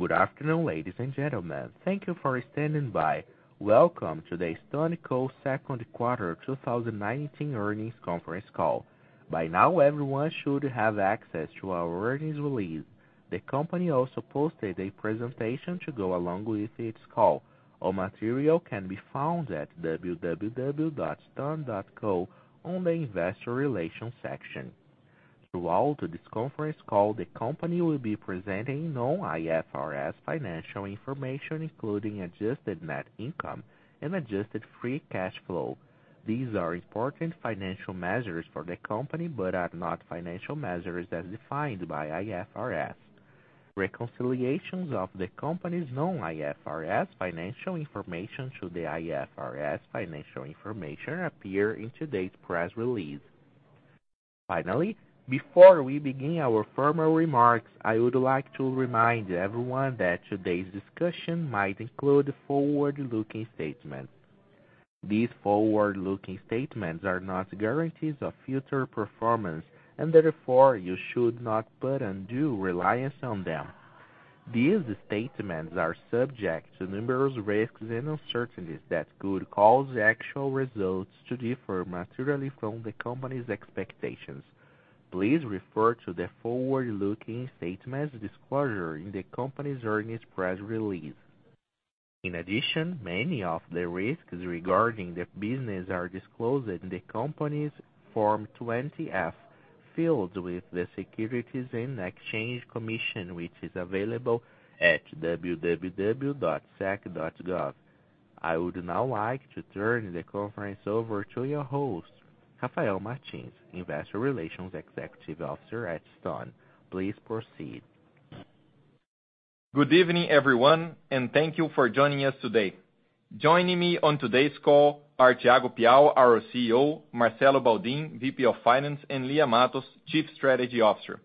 Good afternoon, ladies and gentlemen. Thank you for standing by. Welcome to the StoneCo second quarter 2019 earnings conference call. By now, everyone should have access to our earnings release. The company also posted a presentation to go along with its call. All material can be found at www.stone.co on the investor relations section. Throughout this conference call, the company will be presenting non-IFRS financial information, including adjusted net income and adjusted free cash flow. These are important financial measures for the company, but are not financial measures as defined by IFRS. Reconciliations of the company's non-IFRS financial information to the IFRS financial information appear in today's press release. Finally, before we begin our formal remarks, I would like to remind everyone that today's discussion might include forward-looking statements. These forward-looking statements are not guarantees of future performance, and therefore, you should not put undue reliance on them. These statements are subject to numerous risks and uncertainties that could cause actual results to differ materially from the company's expectations. Please refer to the forward-looking statements disclosure in the company's earnings press release. In addition, many of the risks regarding the business are disclosed in the company's Form 20-F, filed with the Securities and Exchange Commission, which is available at www.sec.gov. I would now like to turn the conference over to your host, Rafael Martins, Investor Relations Executive Officer at Stone. Please proceed. Good evening, everyone, and thank you for joining us today. Joining me on today's call are Thiago Piau, our CEO, Marcelo Baldin, VP of Finance, and Lia Matos, Chief Strategy Officer.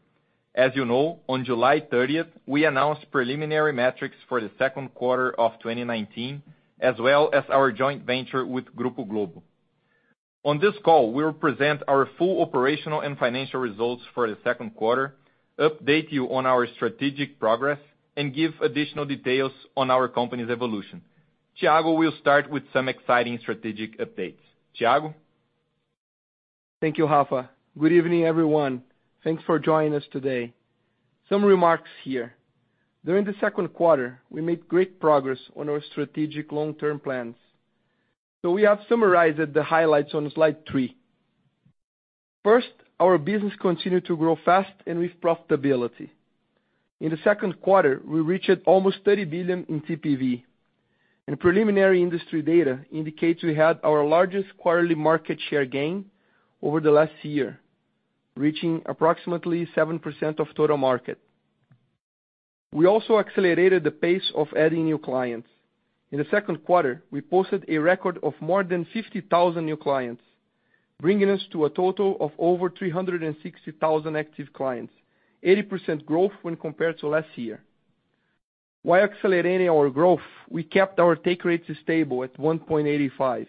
As you know, on July 30th, we announced preliminary metrics for the second quarter of 2019, as well as our joint venture with Grupo Globo. On this call, we will present our full operational and financial results for the second quarter, update you on our strategic progress, and give additional details on our company's evolution. Thiago will start with some exciting strategic updates. Thiago? Thank you, Rafa. Good evening, everyone. Thanks for joining us today. Some remarks here. During the second quarter, we made great progress on our strategic long-term plans. We have summarized the highlights on slide three. First, our business continued to grow fast and with profitability. In the second quarter, we reached almost 30 billion in TPV. Preliminary industry data indicates we had our largest quarterly market share gain over the last year, reaching approximately 7% of total market. We also accelerated the pace of adding new clients. In the second quarter, we posted a record of more than 50,000 new clients, bringing us to a total of over 360,000 active clients, 80% growth when compared to last year. While accelerating our growth, we kept our take rates stable at 1.85%.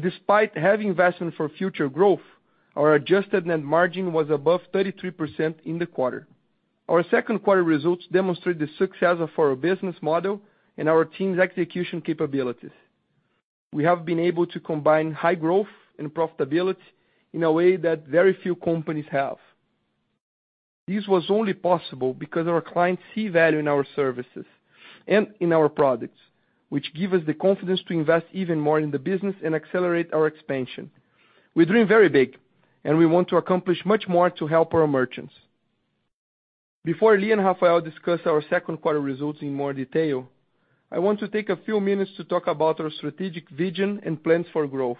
Despite heavy investment for future growth, our adjusted net margin was above 33% in the quarter. Our second quarter results demonstrate the success of our business model and our team's execution capabilities. We have been able to combine high growth and profitability in a way that very few companies have. This was only possible because our clients see value in our services and in our products, which give us the confidence to invest even more in the business and accelerate our expansion. We dream very big, and we want to accomplish much more to help our merchants. Before Lia and Rafael discuss our second quarter results in more detail, I want to take a few minutes to talk about our strategic vision and plans for growth.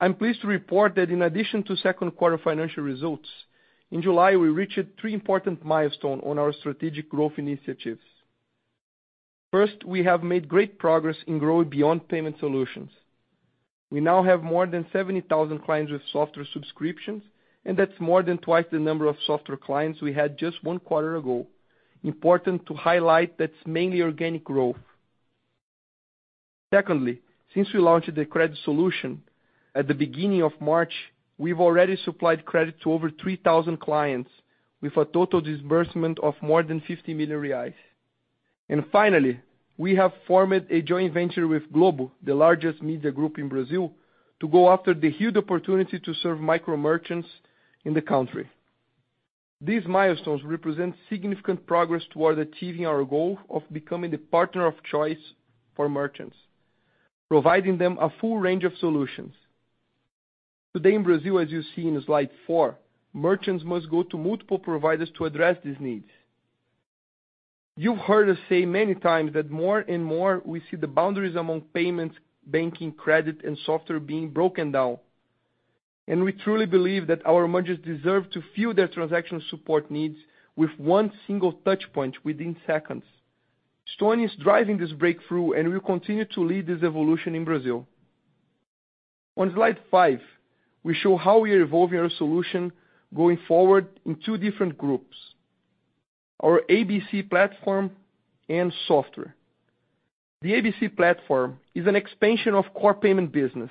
I'm pleased to report that in addition to second quarter financial results, in July, we reached three important milestones on our strategic growth initiatives. First, we have made great progress in growing beyond payment solutions. We now have more than 70,000 clients with software subscriptions, that's more than twice the number of software clients we had just one quarter ago. Secondly, since we launched the credit solution at the beginning of March, we've already supplied credit to over 3,000 clients with a total disbursement of more than 50 million reais. Finally, we have formed a joint venture with Grupo Globo, the largest media group in Brazil, to go after the huge opportunity to serve micro-merchants in the country. These milestones represent significant progress toward achieving our goal of becoming the partner of choice for merchants, providing them a full range of solutions. Today in Brazil, as you see in slide four, merchants must go to multiple providers to address these needs. You've heard us say many times that more and more we see the boundaries among payments, banking, credit, and software being broken down. We truly believe that our merchants deserve to fuel their transaction support needs with one single touch point within seconds. Stone is driving this breakthrough, and we continue to lead this evolution in Brazil. On slide five, we show how we are evolving our solution going forward in two different groups. Our ABC platform and software. The ABC platform is an expansion of core payment business.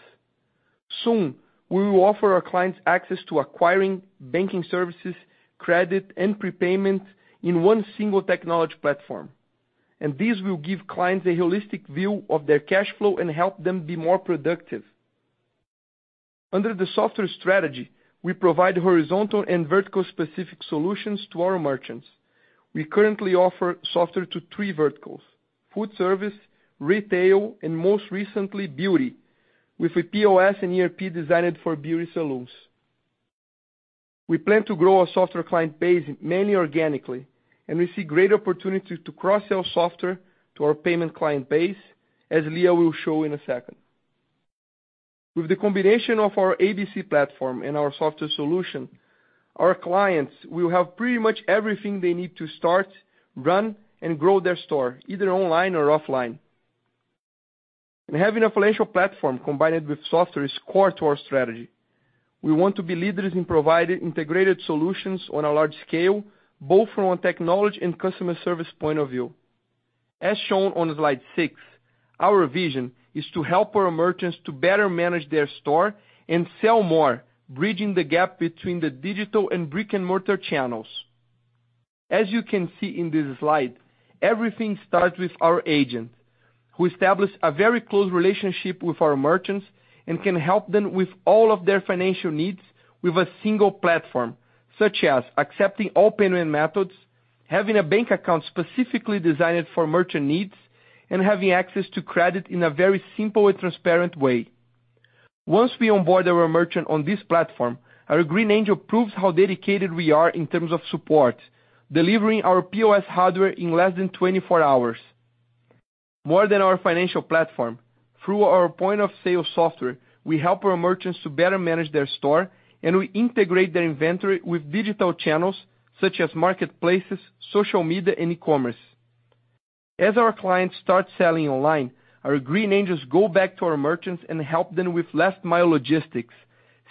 Soon, we will offer our clients access to acquiring banking services, credit, and prepayment in one single technology platform. This will give clients a holistic view of their cash flow and help them be more productive. Under the software strategy, we provide horizontal and vertical specific solutions to our merchants. We currently offer software to three verticals: food service, retail, and most recently, beauty, with a POS and ERP designed for beauty salons. We plan to grow our software client base mainly organically, and we see great opportunity to cross-sell software to our payment client base, as Lia will show in a second. With the combination of our ABC platform and our software solution, our clients will have pretty much everything they need to start, run, and grow their store, either online or offline. Having a financial platform combined with software is core to our strategy. We want to be leaders in providing integrated solutions on a large scale, both from a technology and customer service point of view. As shown on slide six, our vision is to help our merchants to better manage their store and sell more, bridging the gap between the digital and brick-and-mortar channels. As you can see in this slide, everything starts with our agent, who establish a very close relationship with our merchants and can help them with all of their financial needs with a single platform, such as accepting all payment methods, having a bank account specifically designed for merchant needs, and having access to credit in a very simple and transparent way. Once we onboard our merchant on this platform, our Green Angel proves how dedicated we are in terms of support, delivering our POS hardware in less than 24 hours. More than our financial platform, through our point of sale software, we help our merchants to better manage their store, and we integrate their inventory with digital channels such as marketplaces, social media, and e-commerce. As our clients start selling online, our Green Angels go back to our merchants and help them with last-mile logistics,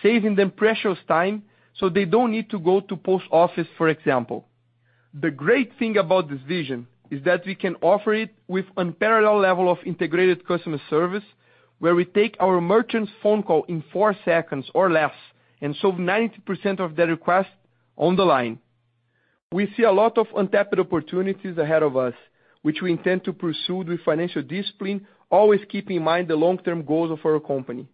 saving them precious time, so they don't need to go to post office, for example. The great thing about this vision is that we can offer it with unparalleled level of integrated customer service, where we take our merchant's phone call in four seconds or less and solve 90% of their request on the line. We see a lot of untapped opportunities ahead of us, which we intend to pursue with financial discipline, always keeping in mind the long-term goals of our company.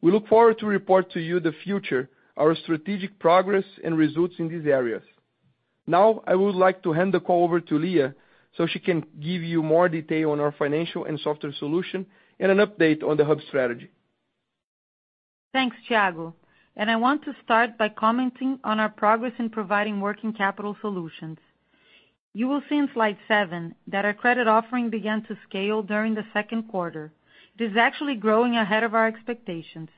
We look forward to report to you the future, our strategic progress, and results in these areas. I would like to hand the call over to Lia, so she can give you more detail on our financial and software solution and an update on the hub strategy. Thanks, Thiago. I want to start by commenting on our progress in providing working capital solutions. You will see in slide seven that our credit offering began to scale during the second quarter. It is actually growing ahead of our expectations.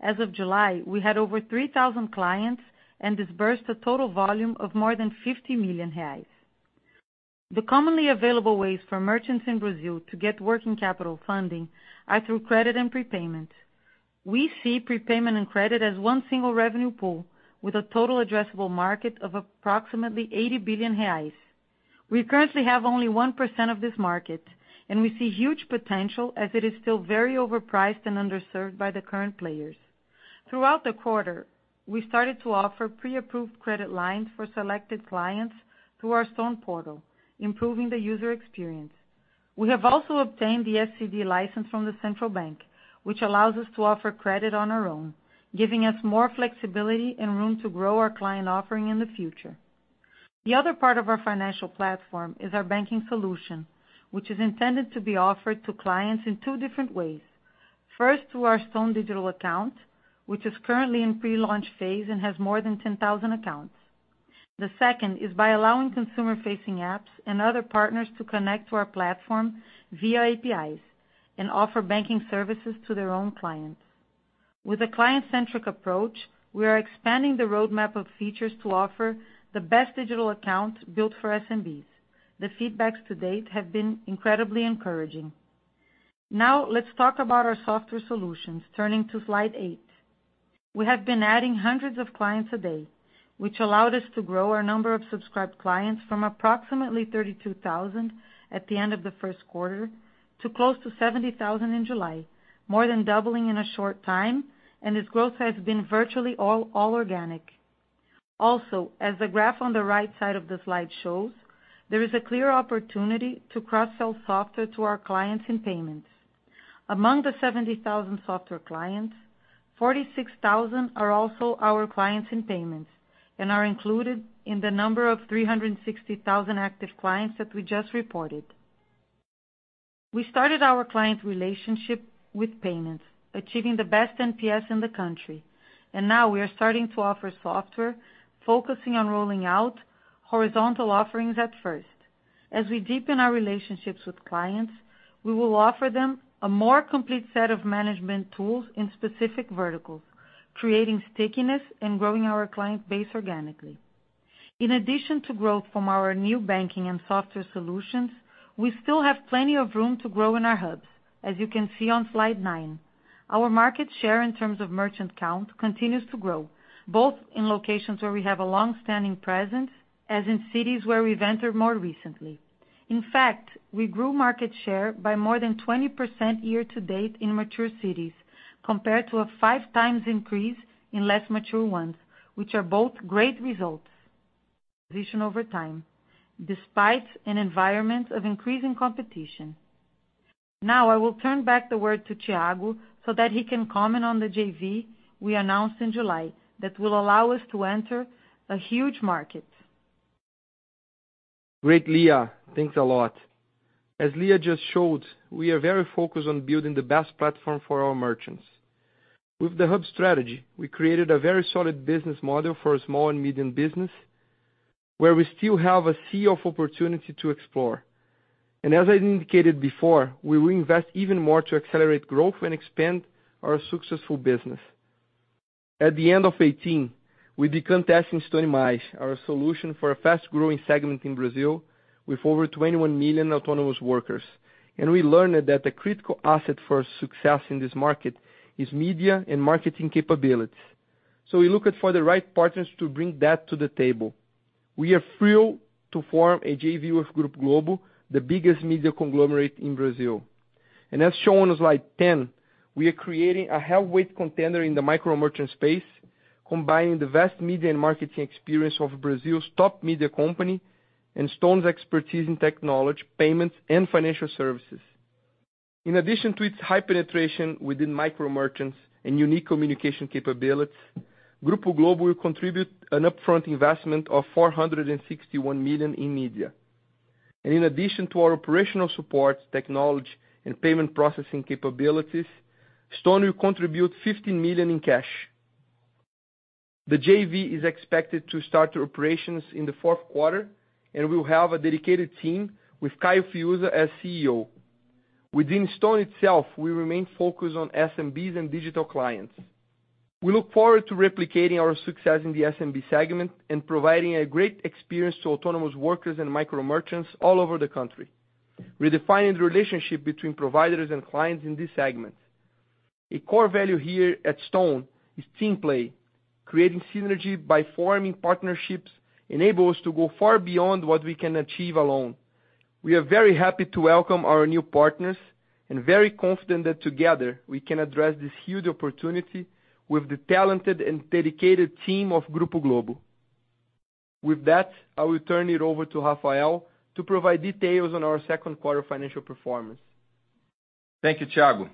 As of July, we had over 3,000 clients and disbursed a total volume of more than 50 million reais. The commonly available ways for merchants in Brazil to get working capital funding are through credit and prepayment. We see prepayment and credit as one single revenue pool with a total addressable market of approximately 80 billion reais. We currently have only 1% of this market. We see huge potential as it is still very overpriced and underserved by the current players. Throughout the quarter, we started to offer pre-approved credit lines for selected clients through our Stone portal, improving the user experience. We have also obtained the SCD license from the Central Bank, which allows us to offer credit on our own, giving us more flexibility and room to grow our client offering in the future. The other part of our financial platform is our banking solution, which is intended to be offered to clients in two different ways. First, through our Stone digital account, which is currently in pre-launch phase and has more than 10,000 accounts. The second is by allowing consumer-facing apps and other partners to connect to our platform via APIs and offer banking services to their own clients. With a client-centric approach, we are expanding the roadmap of features to offer the best digital account built for SMBs. The feedbacks to date have been incredibly encouraging. Let's talk about our software solutions, turning to slide eight. We have been adding hundreds of clients a day, which allowed us to grow our number of subscribed clients from approximately 32,000 at the end of the first quarter to close to 70,000 in July, more than doubling in a short time, and this growth has been virtually all organic. Also, as the graph on the right side of the slide shows, there is a clear opportunity to cross-sell software to our clients in payments. Among the 70,000 software clients, 46,000 are also our clients in payments and are included in the number of 360,000 active clients that we just reported. We started our client relationship with payments, achieving the best NPS in the country. Now we are starting to offer software, focusing on rolling out horizontal offerings at first. As we deepen our relationships with clients, we will offer them a more complete set of management tools in specific verticals, creating stickiness and growing our client base organically. In addition to growth from our new banking and software solutions, we still have plenty of room to grow in our hubs, as you can see on slide nine. Our market share in terms of merchant count continues to grow, both in locations where we have a longstanding presence, as in cities where we've entered more recently. In fact, we grew market share by more than 20% year to date in mature cities, compared to a five times increase in less mature ones, which are both great results. Position over time, despite an environment of increasing competition. Now, I will turn back the word to Thiago so that he can comment on the JV we announced in July, that will allow us to enter a huge market. Great, Lia. Thanks a lot. As Lia just showed, we are very focused on building the best platform for our merchants. With the hub strategy, we created a very solid business model for small and medium business, where we still have a sea of opportunity to explore. As I'd indicated before, we will invest even more to accelerate growth and expand our successful business. At the end of 2018, we began testing Stone Mais, our solution for a fast-growing segment in Brazil, with over 21 million autonomous workers. We learned that the critical asset for success in this market is media and marketing capabilities. We looked for the right partners to bring that to the table. We are thrilled to form a JV with Grupo Globo, the biggest media conglomerate in Brazil. As shown on slide 10, we are creating a heavyweight contender in the micro merchant space, combining the vast media and marketing experience of Brazil's top media company and Stone's expertise in technology, payments, and financial services. In addition to its high penetration within micro merchants and unique communication capabilities, Grupo Globo will contribute an upfront investment of 461 million in media. In addition to our operational support, technology, and payment processing capabilities, Stone will contribute 50 million in cash. The JV is expected to start operations in the fourth quarter and will have a dedicated team with Caio Fiuza as CEO. Within Stone itself, we remain focused on SMBs and digital clients. We look forward to replicating our success in the SMB segment and providing a great experience to autonomous workers and micro merchants all over the country, redefining the relationship between providers and clients in this segment. A core value here at Stone is team play. Creating synergy by forming partnerships enable us to go far beyond what we can achieve alone. We are very happy to welcome our new partners and very confident that together we can address this huge opportunity with the talented and dedicated team of Grupo Globo. With that, I will turn it over to Rafael to provide details on our second quarter financial performance. Thank you, Thiago.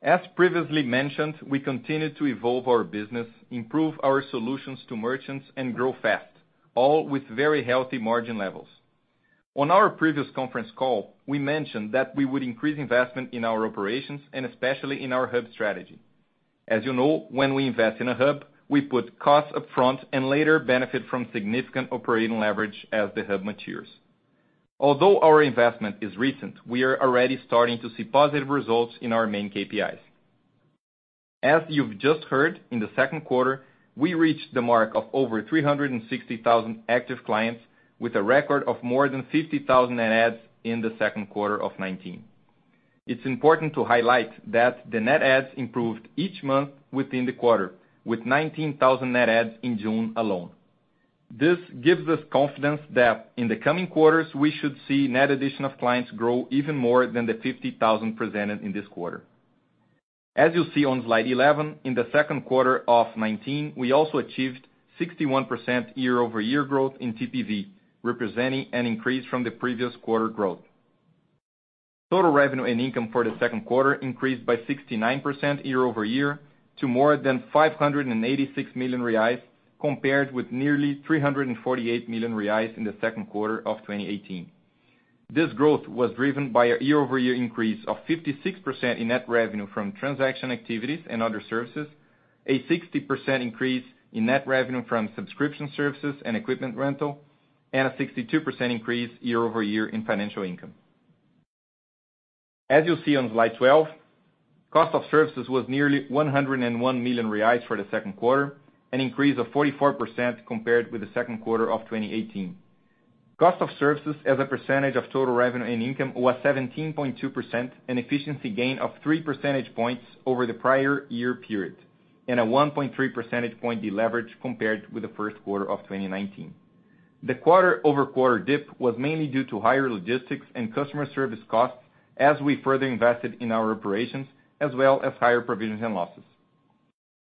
As previously mentioned, we continue to evolve our business, improve our solutions to merchants, and grow fast, all with very healthy margin levels. On our previous conference call, we mentioned that we would increase investment in our operations and especially in our hub strategy. As you know, when we invest in a hub, we put costs up front and later benefit from significant operating leverage as the hub matures. Although our investment is recent, we are already starting to see positive results in our main KPIs. As you've just heard, in the second quarter, we reached the mark of over 360,000 active clients with a record of more than 50,000 net adds in the second quarter of 2019. It's important to highlight that the net adds improved each month within the quarter, with 19,000 net adds in June alone. This gives us confidence that in the coming quarters, we should see net addition of clients grow even more than the 50,000 presented in this quarter. As you see on slide 11, in the second quarter of 2019, we also achieved 61% year-over-year growth in TPV, representing an increase from the previous quarter growth. Total revenue and income for the second quarter increased by 69% year-over-year to more than 586 million reais, compared with nearly 348 million reais in the second quarter of 2018. This growth was driven by a year-over-year increase of 56% in net revenue from transaction activities and other services, a 60% increase in net revenue from subscription services and equipment rental, and a 62% increase year-over-year in financial income. As you see on slide 12, cost of services was nearly 101 million reais for the second quarter, an increase of 44% compared with the second quarter of 2018. Cost of services as a percentage of total revenue and income was 17.2%, an efficiency gain of three percentage points over the prior year period, and a 1.3 percentage point deleverage compared with the first quarter of 2019. The quarter-over-quarter dip was mainly due to higher logistics and customer service costs as we further invested in our operations, as well as higher provisions and losses.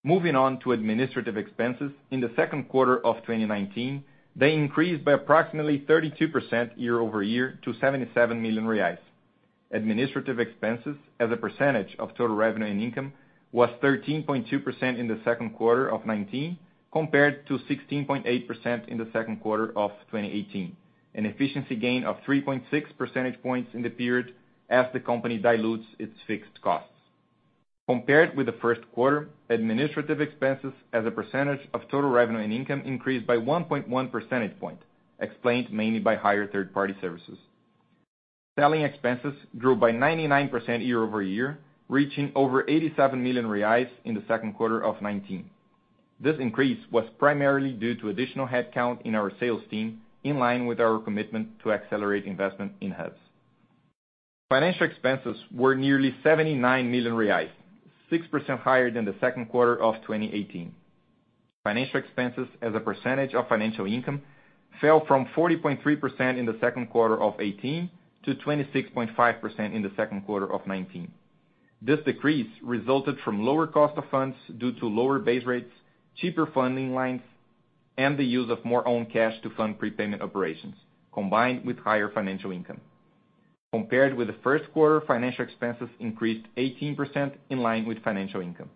Moving on to administrative expenses in the second quarter of 2019. They increased by approximately 32% year-over-year to 77 million reais. Administrative expenses as a percentage of total revenue and income was 13.2% in the second quarter of 2019, compared to 16.8% in the second quarter of 2018, an efficiency gain of 3.6 percentage points in the period as the company dilutes its fixed costs. Compared with the first quarter, administrative expenses as a percentage of total revenue and income increased by 1.1 percentage point, explained mainly by higher third-party services. Selling expenses grew by 99% year-over-year, reaching over 87 million reais in the second quarter of 2019. This increase was primarily due to additional headcount in our sales team, in line with our commitment to accelerate investment in hubs. Financial expenses were nearly 79 million reais, 6% higher than the second quarter of 2018. Financial expenses as a percentage of financial income fell from 40.3% in the second quarter of 2018 to 26.5% in the second quarter of 2019. This decrease resulted from lower cost of funds due to lower base rates, cheaper funding lines, and the use of more own cash to fund prepayment operations, combined with higher financial income. Compared with the first quarter, financial expenses increased 18% in line with financial income.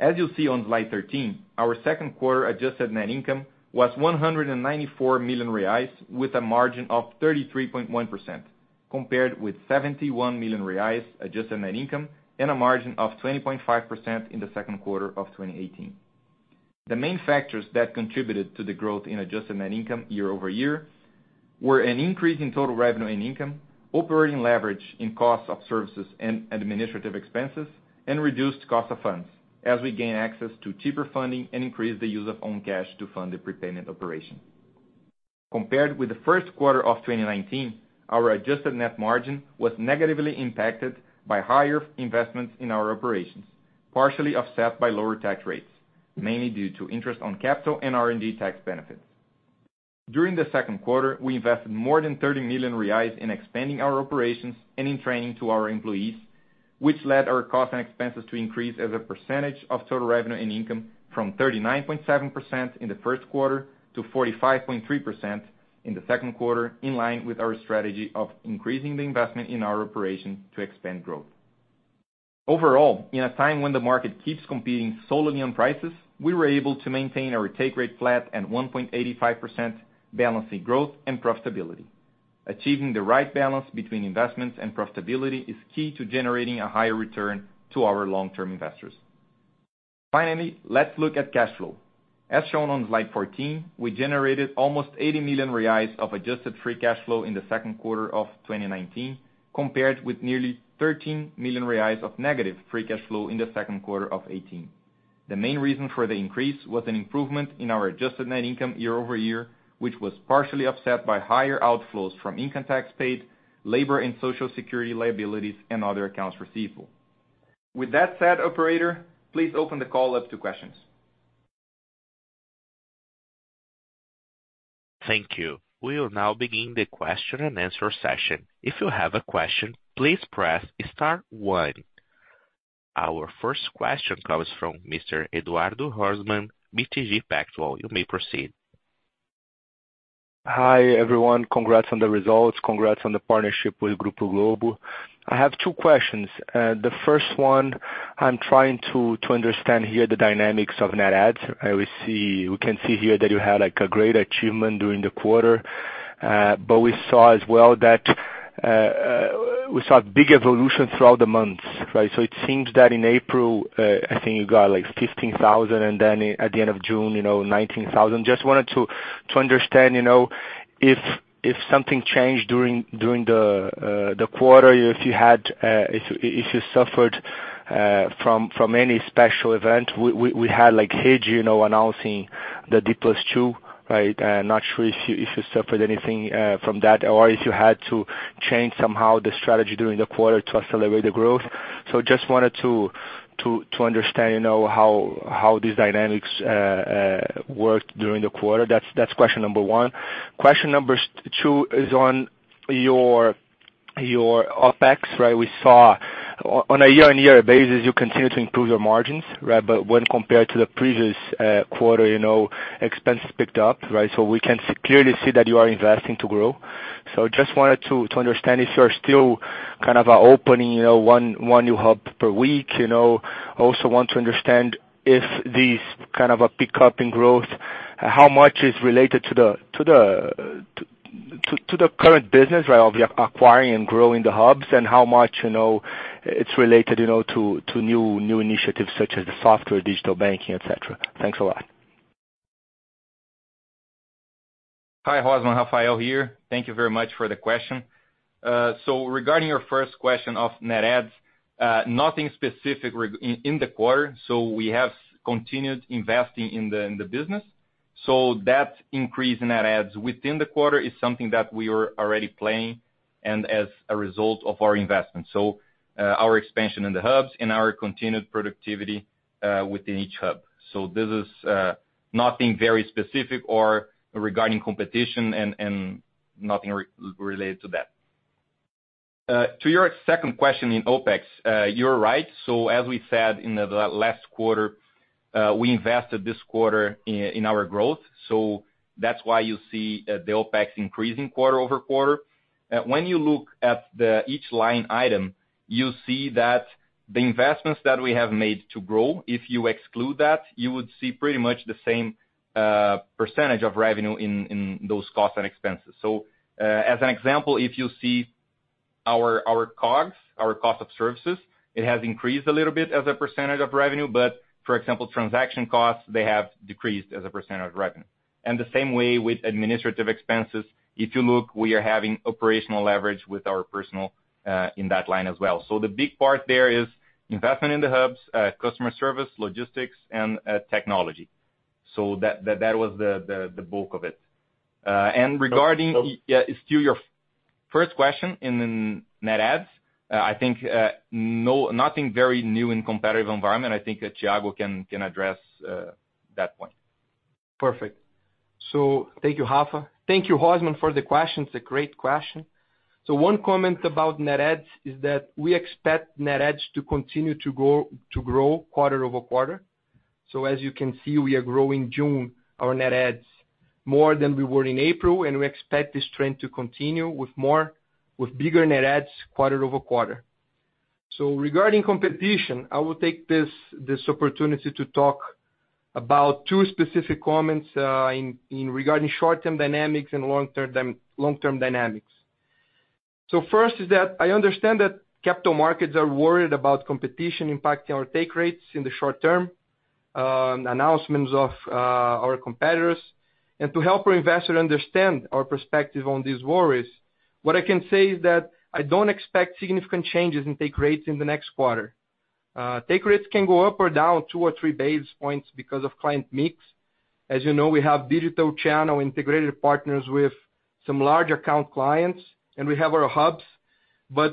As you see on slide 13, our second quarter adjusted net income was 194 million reais with a margin of 33.1%, compared with 71 million reais adjusted net income and a margin of 20.5% in the second quarter of 2018. The main factors that contributed to the growth in adjusted net income year-over-year were an increase in total revenue and income, operating leverage in cost of services and administrative expenses, and reduced cost of funds as we gain access to cheaper funding and increase the use of own cash to fund the prepayment operation. Compared with the first quarter of 2019, our adjusted net margin was negatively impacted by higher investments in our operations, partially offset by lower tax rates, mainly due to interest on capital and R&D tax benefits. During the second quarter, we invested more than 30 million reais in expanding our operations and in training to our employees, which led our cost and expenses to increase as a percentage of total revenue and income from 39.7% in the first quarter to 45.3% in the second quarter, in line with our strategy of increasing the investment in our operations to expand growth. Overall, in a time when the market keeps competing solely on prices, we were able to maintain our take rate flat at 1.85%, balancing growth and profitability. Achieving the right balance between investments and profitability is key to generating a higher return to our long-term investors. Let's look at cash flow. As shown on slide 14, we generated almost 80 million reais of adjusted free cash flow in the second quarter of 2019, compared with nearly 13 million reais of negative free cash flow in the second quarter of 2018. The main reason for the increase was an improvement in our adjusted net income year-over-year, which was partially offset by higher outflows from income tax paid, labor and social security liabilities, and other accounts receivable. Operator, please open the call up to questions. Thank you. We'll now begin the question and answer session. If you have a question, please press star one. Our first question comes from Mr. Eduardo Rosman, BTG Pactual. You may proceed. Hi, everyone. Congrats on the results. Congrats on the partnership with Grupo Globo. I have two questions. The first one, I'm trying to understand here the dynamics of net adds. We can see here that you had a great achievement during the quarter, but we saw big evolution throughout the months, right? It seems that in April, I think you got 15,000, and then at the end of June, 19,000. Just wanted to understand if something changed during the quarter, if you suffered from any special event. We had Hedge announcing the T+2, right? Not sure if you suffered anything from that, or if you had to change somehow the strategy during the quarter to accelerate the growth. Just wanted to understand how these dynamics worked during the quarter. That's question number one. Question number two is on your OpEx, right? We saw on a year-on-year basis, you continue to improve your margins, right? When compared to the previous quarter, expenses picked up, right? We can clearly see that you are investing to grow. Just wanted to understand if you are still kind of opening one new hub per week. Also want to understand if this kind of a pickup in growth, how much is related to the current business, right, of acquiring and growing the hubs, and how much it's related to new initiatives such as the software, digital banking, et cetera. Thanks a lot. Hi, Rosman. Rafael here. Thank you very much for the question. Regarding your first question of net adds, nothing specific in the quarter. We have continued investing in the business. That increase in net adds within the quarter is something that we were already playing and as a result of our investment, our expansion in the hubs and our continued productivity within each hub. This is nothing very specific or regarding competition and nothing related to that. To your second question in OpEx, you're right. As we said in the last quarter, we invested this quarter in our growth. That's why you see the OpEx increasing quarter-over-quarter. When you look at each line item, you see that the investments that we have made to grow, if you exclude that, you would see pretty much the same percentage of revenue in those costs and expenses. As an example, if you see our COGS, our cost of services, it has increased a little bit as a percentage of revenue, but for example, transaction costs, they have decreased as a percentage of revenue. The same way with administrative expenses. If you look, we are having operational leverage with our personal in that line as well. The big part there is investment in the hubs, customer service, logistics, and technology. That was the bulk of it. So- Yeah, still your first question in net adds, I think nothing very new in competitive environment. I think that Thiago can address that point. Thank you, Rafa. Thank you, Rosman, for the question. It's a great question. One comment about net adds is that we expect net adds to continue to grow quarter-over-quarter. As you can see, we are growing June, our net adds more than we were in April, and we expect this trend to continue with bigger net adds quarter-over-quarter. Regarding competition, I will take this opportunity to talk about two specific comments regarding short-term dynamics and long-term dynamics. First is that I understand that capital markets are worried about competition impacting our take rates in the short term, announcements of our competitors. To help our investor understand our perspective on these worries, what I can say is that I don't expect significant changes in take rates in the next quarter. Take rates can go up or down 2 or 3 basis points because of client mix. As you know, we have digital channel integrated partners with some large account clients, and we have our hubs.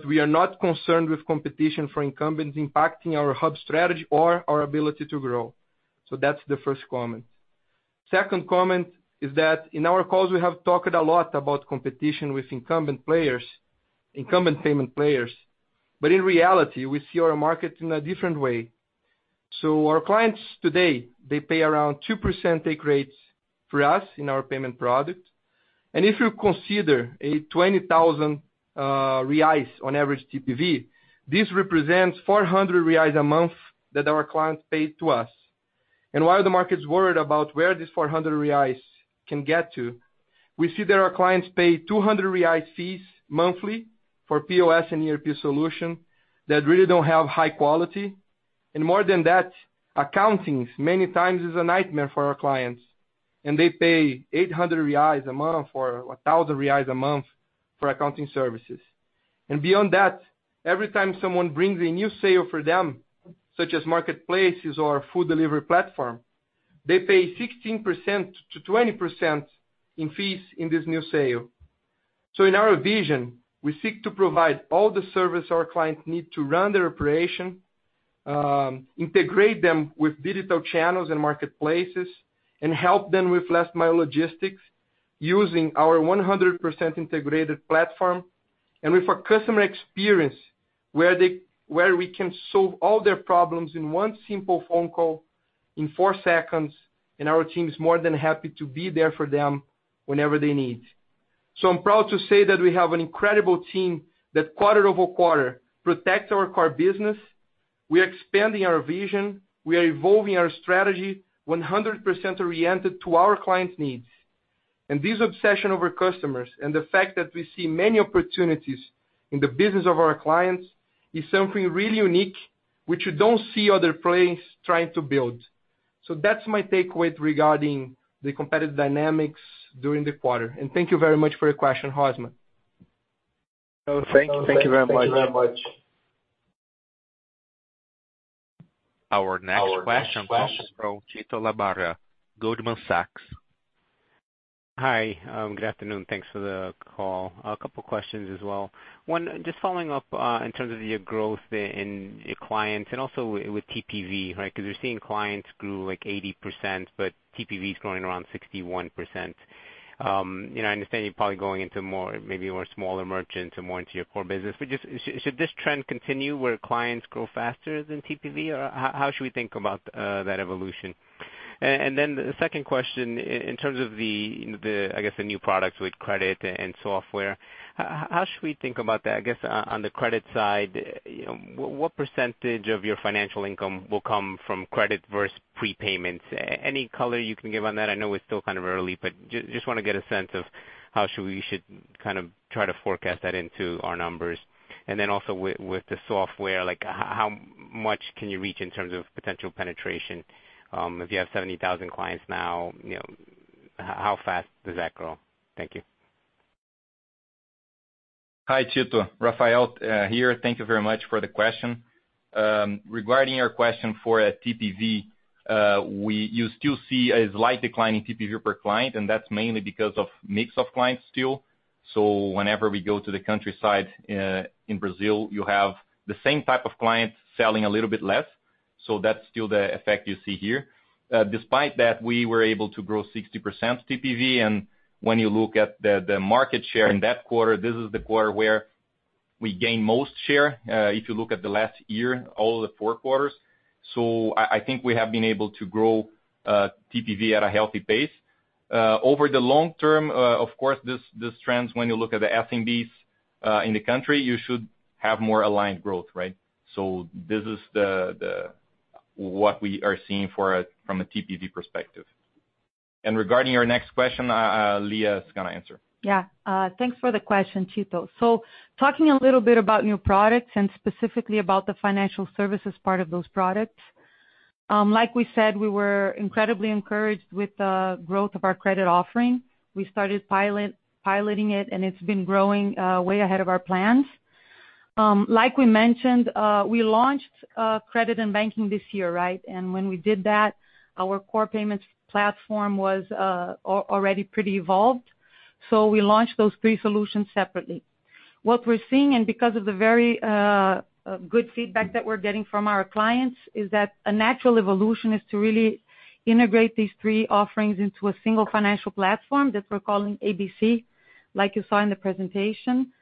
We are not concerned with competition for incumbents impacting our hub strategy or our ability to grow. That's the first comment. Second comment is that in our calls, we have talked a lot about competition with incumbent payment players. In reality, we see our market in a different way. Our clients today, they pay around 2% take rates for us in our payment product. If you consider a 20,000 reais on average TPV, this represents 400 reais a month that our clients pay to us. While the market's worried about where these 400 reais can get to, we see that our clients pay 200 reais fees monthly for POS and ERP solution that really don't have high quality. More than that, accounting many times is a nightmare for our clients, and they pay 800 reais a month or 1,000 reais a month for accounting services. Beyond that, every time someone brings a new sale for them, such as marketplaces or food delivery platform, they pay 16%-20% in fees in this new sale. In our vision, we seek to provide all the service our clients need to run their operation, integrate them with digital channels and marketplaces, and help them with last mile logistics using our 100% integrated platform. With a customer experience where we can solve all their problems in one simple phone call in four seconds, and our team is more than happy to be there for them whenever they need. I'm proud to say that we have an incredible team that quarter-over-quarter protects our core business. We are expanding our vision. We are evolving our strategy 100% oriented to our clients' needs. This obsession over customers and the fact that we see many opportunities in the business of our clients is something really unique, which you don't see other players trying to build. That's my takeaway regarding the competitive dynamics during the quarter. Thank you very much for your question, Rosman. No, thank you very much. Thank you very much. Our next question comes from Tito Labarta, Goldman Sachs. Hi. Good afternoon. Thanks for the call. A couple questions as well. One, just following up in terms of your growth in your clients and also with TPV, right? Because we're seeing clients grew like 80%, but TPV is growing around 61%. I understand you're probably going into maybe more smaller merchants and more into your core business. Should this trend continue where clients grow faster than TPV, or how should we think about that evolution? The second question in terms of the, I guess, the new products with credit and software, how should we think about that? I guess on the credit side, what percentage of your financial income will come from credit versus prepayments? Any color you can give on that? I know it's still kind of early, but just want to get a sense of how we should kind of try to forecast that into our numbers. Then also with the software, how much can you reach in terms of potential penetration? If you have 70,000 clients now, how fast does that grow? Thank you. Hi, Tito. Rafael here. Thank you very much for the question. Regarding your question for TPV, you still see a slight decline in TPV per client. That's mainly because of mix of clients still. Whenever we go to the countryside in Brazil, you have the same type of clients selling a little bit less. That's still the effect you see here. Despite that, we were able to grow 60% TPV. When you look at the market share in that quarter, this is the quarter where we gained most share, if you look at the last year, all of the four quarters. I think we have been able to grow TPV at a healthy pace. Over the long term, of course, these trends, when you look at the SMBs in the country, you should have more aligned growth, right? This is what we are seeing from a TPV perspective. Regarding your next question, Lia is going to answer. Yeah. Thanks for the question, Tito. Talking a little bit about new products and specifically about the financial services part of those products. Like we said, we were incredibly encouraged with the growth of our credit offering. We started piloting it, and it's been growing way ahead of our plans. Like we mentioned, we launched credit and banking this year, right? When we did that, our core payments platform was already pretty evolved. We launched those three solutions separately. What we're seeing, and because of the very good feedback that we're getting from our clients, is that a natural evolution is to really integrate these three offerings into a single financial platform that we're calling ABC, like you saw in the presentation.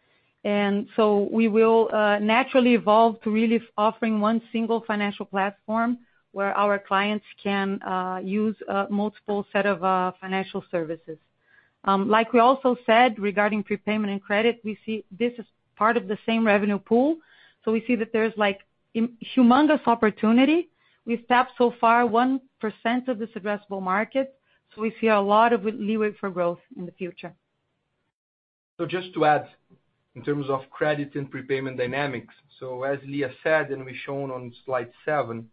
We will naturally evolve to really offering one single financial platform where our clients can use multiple set of financial services. Like we also said, regarding prepayment and credit, we see this as part of the same revenue pool. We see that there's a humongous opportunity. We've tapped so far 1% of this addressable market, so we see a lot of leeway for growth in the future. Just to add, in terms of credit and prepayment dynamics. As Lia said, and we've shown on slide seven,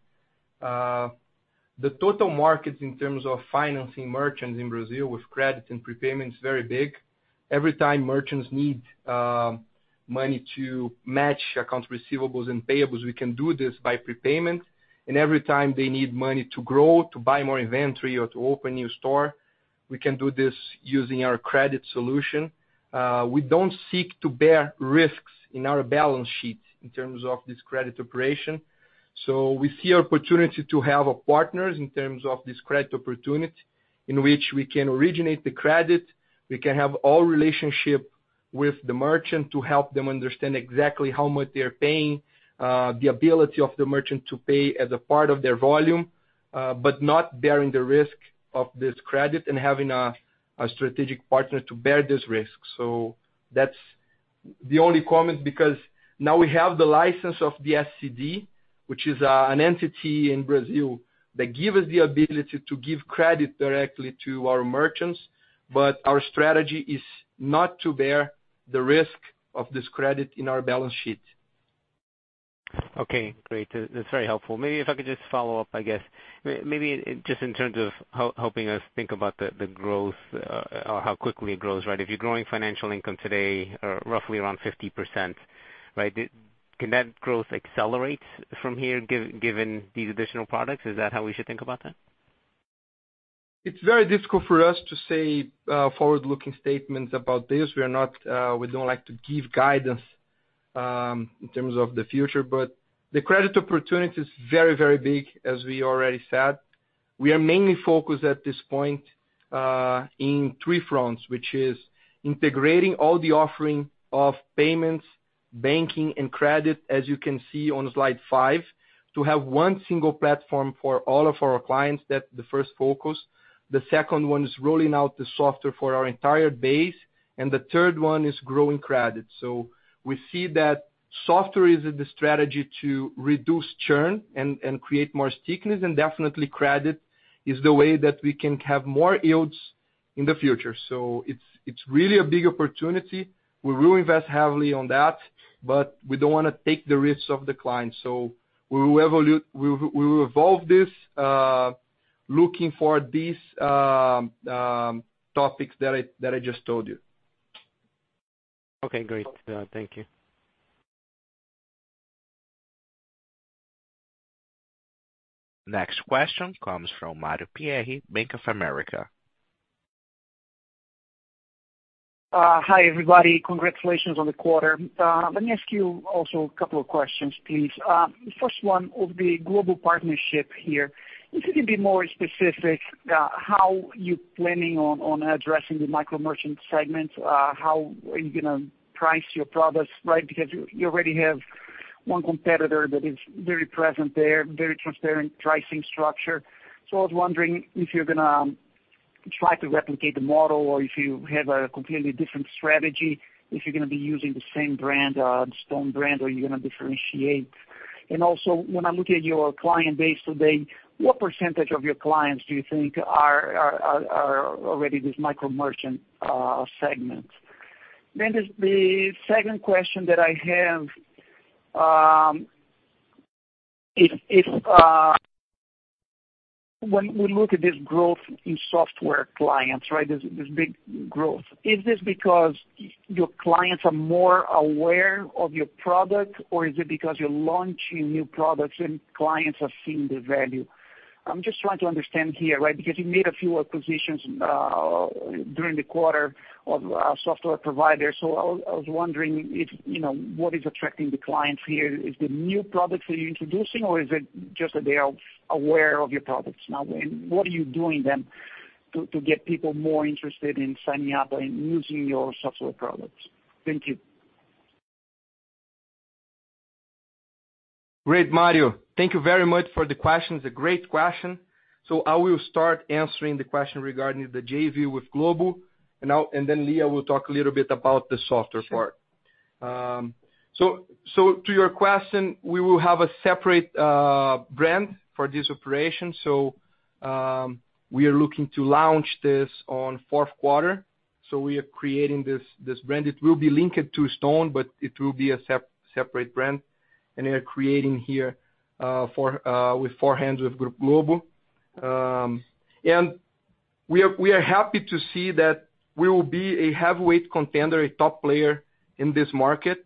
the total market in terms of financing merchants in Brazil with credit and prepayment is very big. Every time merchants need money to match accounts receivables and payables, we can do this by prepayment. Every time they need money to grow, to buy more inventory, or to open a new store, we can do this using our credit solution. We don't seek to bear risks in our balance sheet in terms of this credit operation. We see opportunity to have partners in terms of this credit opportunity, in which we can originate the credit. We can have all relationship with the merchant to help them understand exactly how much they are paying, the ability of the merchant to pay as a part of their volume, but not bearing the risk of this credit and having a strategic partner to bear this risk. That's the only comment, because now we have the license of the SCD, which is an entity in Brazil that give us the ability to give credit directly to our merchants. Our strategy is not to bear the risk of this credit in our balance sheet. Okay, great. That's very helpful. Maybe if I could just follow up, I guess. Maybe just in terms of helping us think about the growth or how quickly it grows, right? If you're growing financial income today roughly around 50%, right, can that growth accelerate from here given these additional products? Is that how we should think about that? It's very difficult for us to say forward-looking statements about this. We don't like to give guidance in terms of the future, but the credit opportunity is very, very big, as we already said. We are mainly focused at this point in three fronts, which is integrating all the offering of payments, banking, and credit, as you can see on slide five, to have one single platform for all of our clients. That's the first focus. The second one is rolling out the software for our entire base, and the third one is growing credit. We see that software is the strategy to reduce churn and create more stickiness, and definitely credit is the way that we can have more yields in the future. It's really a big opportunity. We will invest heavily on that, but we don't want to take the risks of the client. We will evolve this, looking for these topics that I just told you. Okay, great. Thank you. Next question comes from Mario Pierry, Bank of America. Hi, everybody. Congratulations on the quarter. Let me ask you also a couple of questions, please. First one, of the global partnership here, if you can be more specific how you're planning on addressing the micro-merchant segment, how are you going to price your products, right? Because you already have one competitor that is very present there, very transparent pricing structure. I was wondering if you're going to try to replicate the model or if you have a completely different strategy, if you're going to be using the same brand, the Stone brand, or are you going to differentiate? Also, when I look at your client base today, what percentage of your clients do you think are already this micro-merchant segment? The second question that I have is when we look at this growth in software clients, right, this big growth, is this because your clients are more aware of your product, or is it because you're launching new products and clients are seeing the value? I'm just trying to understand here, right, because you made a few acquisitions during the quarter of software providers. I was wondering what is attracting the clients here. Is it new products that you're introducing, or is it just that they are aware of your products now? What are you doing then to get people more interested in signing up and using your software products? Thank you. Great, Mario. Thank you very much for the questions, they're great questions. I will start answering the question regarding the JV with Globo, and then Lia will talk a little bit about the software part. To your question, we will have a separate brand for this operation. We are looking to launch this on fourth quarter. We are creating this brand. It will be linked to Stone, but it will be a separate brand, and we are creating here with four hands with Grupo Globo. We are happy to see that we will be a heavyweight contender, a top player in this market.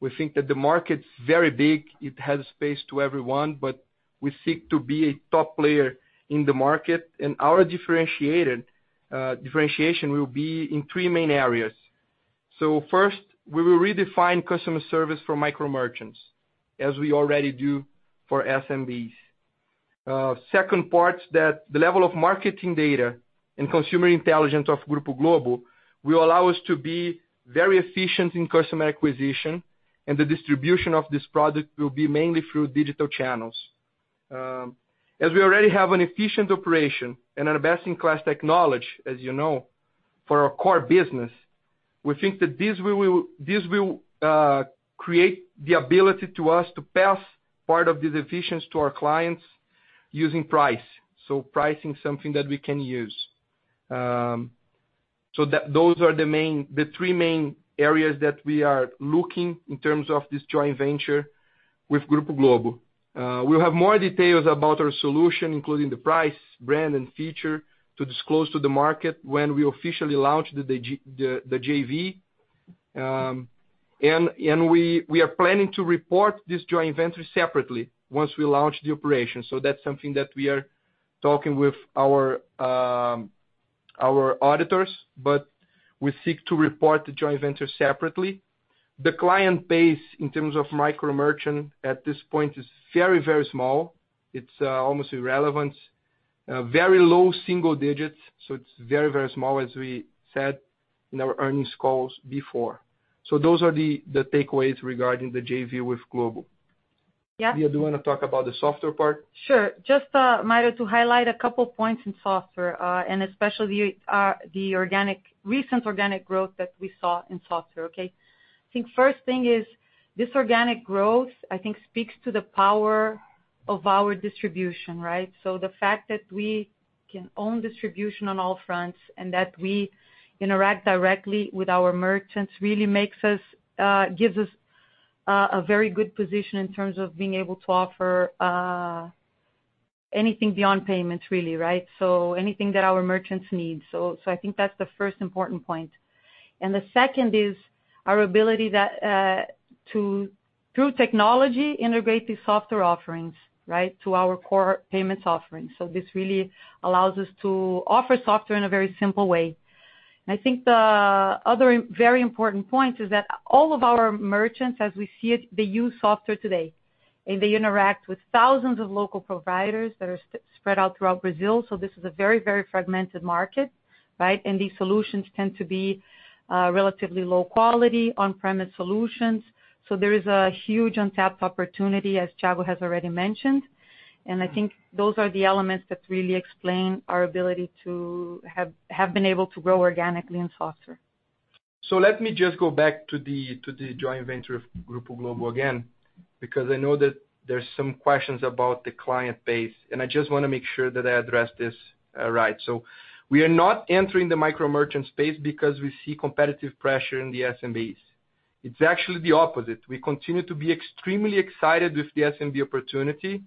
We think that the market's very big. It has space to everyone, but we seek to be a top player in the market, and our differentiation will be in three main areas. First, we will redefine customer service for micro merchants, as we already do for SMBs. Second part, the level of marketing data and consumer intelligence of Grupo Globo will allow us to be very efficient in customer acquisition, and the distribution of this product will be mainly through digital channels. As we already have an efficient operation and a best-in-class technology, as you know, for our core business, we think that this will create the ability to us to pass part of the efficiency to our clients using price. Pricing is something that we can use. Those are the three main areas that we are looking in terms of this joint venture with Grupo Globo. We will have more details about our solution, including the price, brand, and feature to disclose to the market when we officially launch the JV. We are planning to report this joint venture separately once we launch the operation. That's something that we are talking with our auditors, but we seek to report the joint venture separately. The client base, in terms of micro merchant at this point, is very small. It's almost irrelevant. Very low single digits, so it's very small, as we said in our earnings calls before. Those are the takeaways regarding the JV with Globo. Yeah. Lia, do you want to talk about the software part? Sure. Just, Mario, to highlight a couple points in software, and especially the recent organic growth that we saw in software, okay? I think first thing is this organic growth, I think speaks to the power of our distribution, right? The fact that we can own distribution on all fronts and that we interact directly with our merchants really gives us a very good position in terms of being able to offer anything beyond payments, really. Anything that our merchants need. I think that's the first important point. The second is our ability that through technology, integrate the software offerings to our core payments offerings. This really allows us to offer software in a very simple way. I think the other very important point is that all of our merchants, as we see it, they use software today, and they interact with thousands of local providers that are spread out throughout Brazil. This is a very fragmented market. These solutions tend to be relatively low quality on-premise solutions. There is a huge untapped opportunity, as Thiago has already mentioned. I think those are the elements that really explain our ability to have been able to grow organically in software. Let me just go back to the joint venture of Grupo Globo again, because I know that there's some questions about the client base, and I just want to make sure that I address this right. We are not entering the micro merchant space because we see competitive pressure in the SMBs. It's actually the opposite. We continue to be extremely excited with the SMB opportunity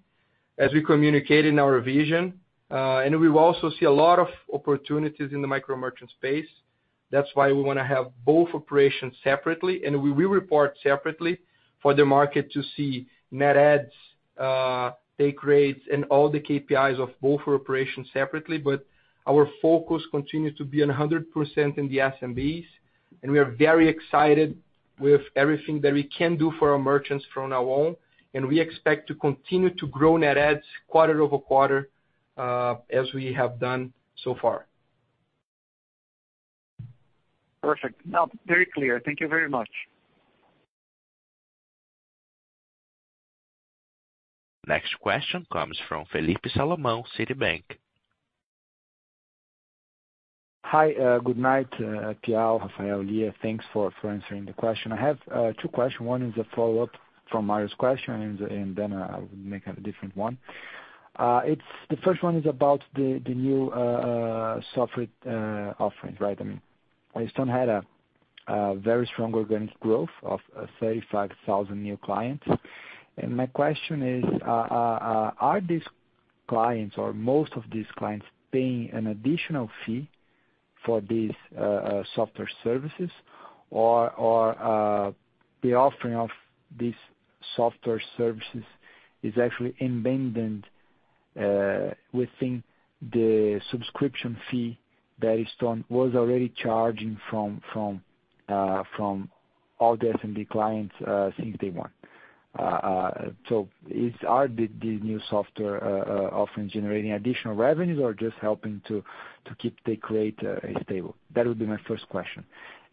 as we communicate in our vision. We also see a lot of opportunities in the micro merchant space. That's why we want to have both operations separately, and we will report separately for the market to see net adds, take rates, and all the KPIs of both operations separately. Our focus continues to be on 100% in the SMBs, and we are very excited with everything that we can do for our merchants from our own. We expect to continue to grow net adds quarter-over-quarter, as we have done so far. Perfect. Now, very clear. Thank you very much. Next question comes from Felipe Salomo, Citibank. Hi. Good night, Piao, Rafael, Lia. Thanks for answering the question. I have two questions. One is a follow-up from Mario's question, and then I will make a different one. The first one is about the new software offering. Stone had a very strong organic growth of 35,000 new clients. My question is, are these clients or most of these clients paying an additional fee for these software services? The offering of these software services is actually embedded within the subscription fee that Stone was already charging from all the SMB clients since day one. Are the new software offerings generating additional revenues or just helping to keep the rate stable? That would be my first question.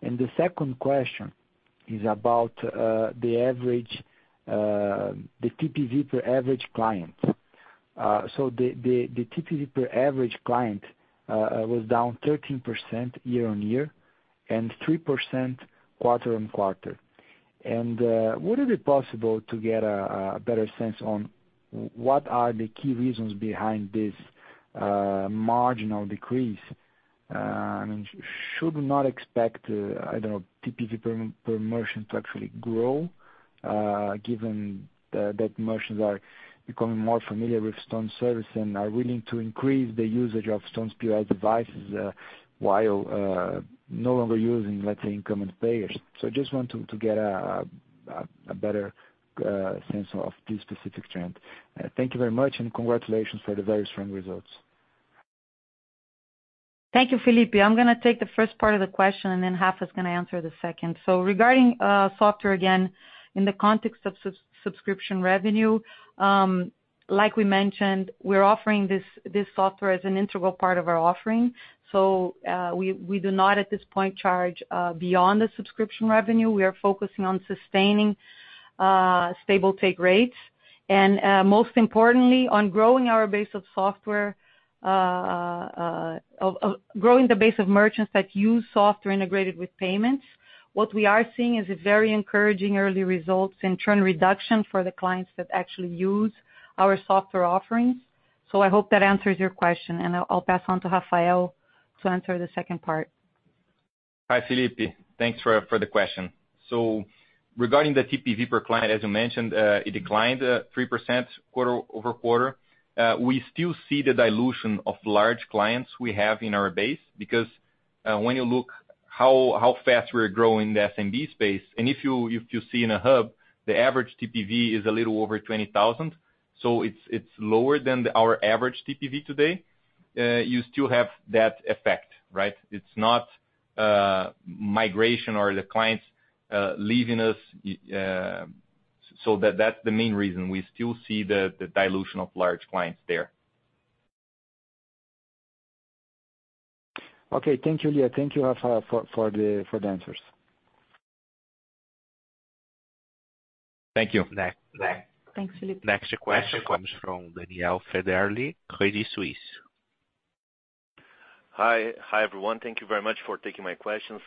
The second question is about the TPV per average client. The TPV per average client was down 13% year-over-year and 3% quarter-over-quarter. Would it be possible to get a better sense on what are the key reasons behind this marginal decrease? Should we not expect, I don't know, TPV per merchant to actually grow, given that merchants are becoming more familiar with Stone service and are willing to increase the usage of Stone POS devices while no longer using, let's say, incumbent payers. Just want to get a better sense of this specific trend. Thank you very much, and congratulations for the very strong results. Thank you, Felipe. I'm going to take the first part of the question, and then Rafa is going to answer the second. Regarding software, again, in the context of subscription revenue, like we mentioned, we're offering this software as an integral part of our offering. We do not, at this point, charge beyond the subscription revenue. We are focusing on sustaining stable take rates and, most importantly, on growing the base of merchants that use software integrated with payments. What we are seeing is very encouraging early results in churn reduction for the clients that actually use our software offerings. I hope that answers your question, and I'll pass on to Rafael to answer the second part. Hi, Felipe. Thanks for the question. Regarding the TPV per client, as you mentioned, it declined 3% quarter-over-quarter. We still see the dilution of large clients we have in our base because when you look how fast we're growing the SMB space, and if you see in a hub, the average TPV is a little over 20,000, so it's lower than our average TPV today. You still have that effect, right? It's not migration or the clients leaving us. That's the main reason we still see the dilution of large clients there. Okay. Thank you, Lia. Thank you, Rafael, for the answers. Thank you. Thanks, Felipe. Next question comes from Daniel Vaz, Credit Suisse. Hi, everyone. Thank you very much for taking my questions.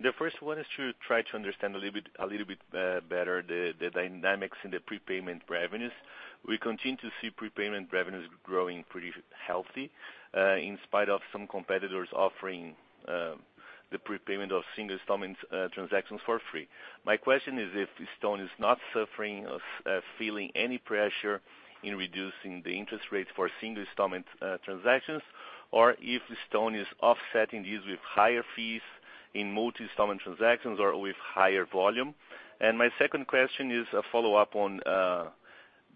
The first one is to try to understand a little bit better the dynamics in the prepayment revenues. We continue to see prepayment revenues growing pretty healthy in spite of some competitors offering the prepayment of single installment transactions for free. My question is if Stone is not suffering or feeling any pressure in reducing the interest rates for single installment transactions, or if Stone is offsetting these with higher fees in multi-installment transactions or with higher volume. My second question is a follow-up on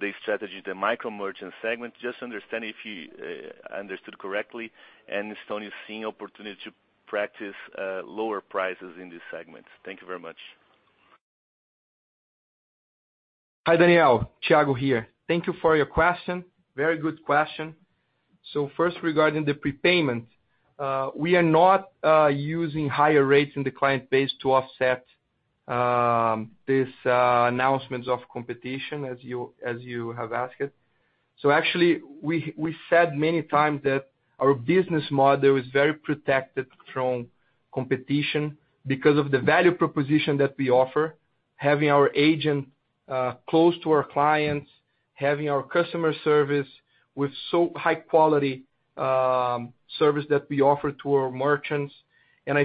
the strategy, the micro-merchant segment. Just understanding if I understood correctly, and Stone is seeing opportunity to practice lower prices in this segment. Thank you very much. Hi, Daniel. Thiago here. Thank you for your question. Very good question. First, regarding the prepayment. We are not using higher rates in the client base to offset these announcements of competition, as you have asked it. Actually, we said many times that our business model is very protected from competition because of the value proposition that we offer. Having our agent close to our clients, having our customer service with so high quality service that we offer to our merchants.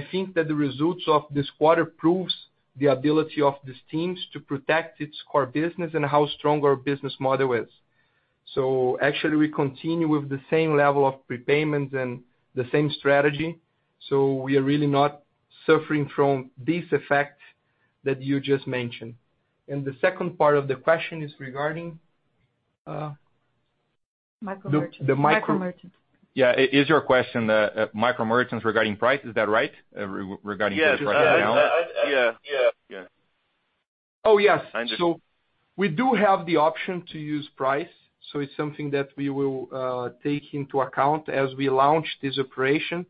I think that the results of this quarter proves the ability of these teams to protect its core business and how strong our business model is. Actually, we continue with the same level of prepayments and the same strategy. We are really not suffering from this effect that you just mentioned. The second part of the question is regarding? Micro merchant. The micro- Micro merchant. Yeah. Is your question micro merchants regarding price, is that right? Regarding the price right now. Yeah. Oh, yes. We do have the option to use price. It's something that we will take into account as we launch this operation.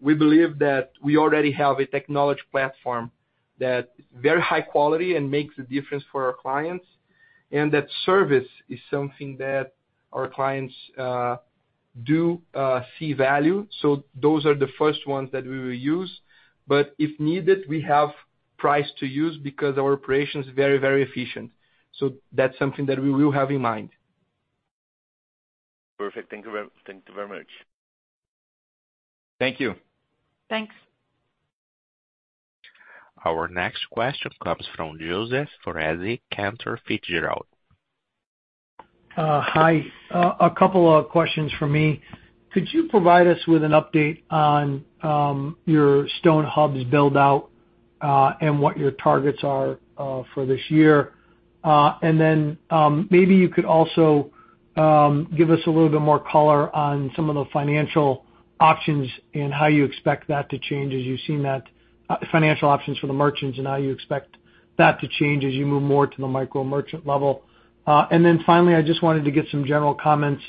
We believe that we already have a technology platform that's very high quality and makes a difference for our clients, and that service is something that our clients do see value. Those are the first ones that we will use. If needed, we have price to use because our operation is very efficient. That's something that we will have in mind. Perfect. Thank you very much. Thank you. Thanks. Our next question comes from Joseph Foresi, Cantor Fitzgerald. Hi. A couple of questions from me. Could you provide us with an update on your Stone hubs build-out and what your targets are for this year? Maybe you could also give us a little more color on some of the financial options and how you expect that to change, financial options for the merchants and how you expect that to change as you move more to the micro merchant level. Finally, I just wanted to get some general comments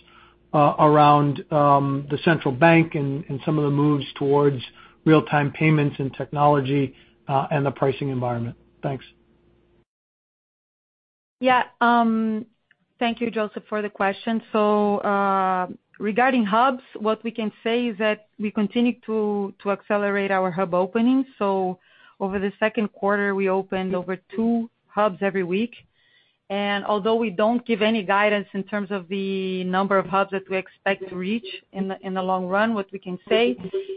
around the Central Bank and some of the moves towards real-time payments and technology and the pricing environment. Thanks. Thank you, Joseph, for the question. Regarding hubs, what we can say is that we continue to accelerate our hub openings. Over the second quarter, we opened over two hubs every week. Although we don't give any guidance in terms of the number of hubs that we expect to reach in the long run, what we can say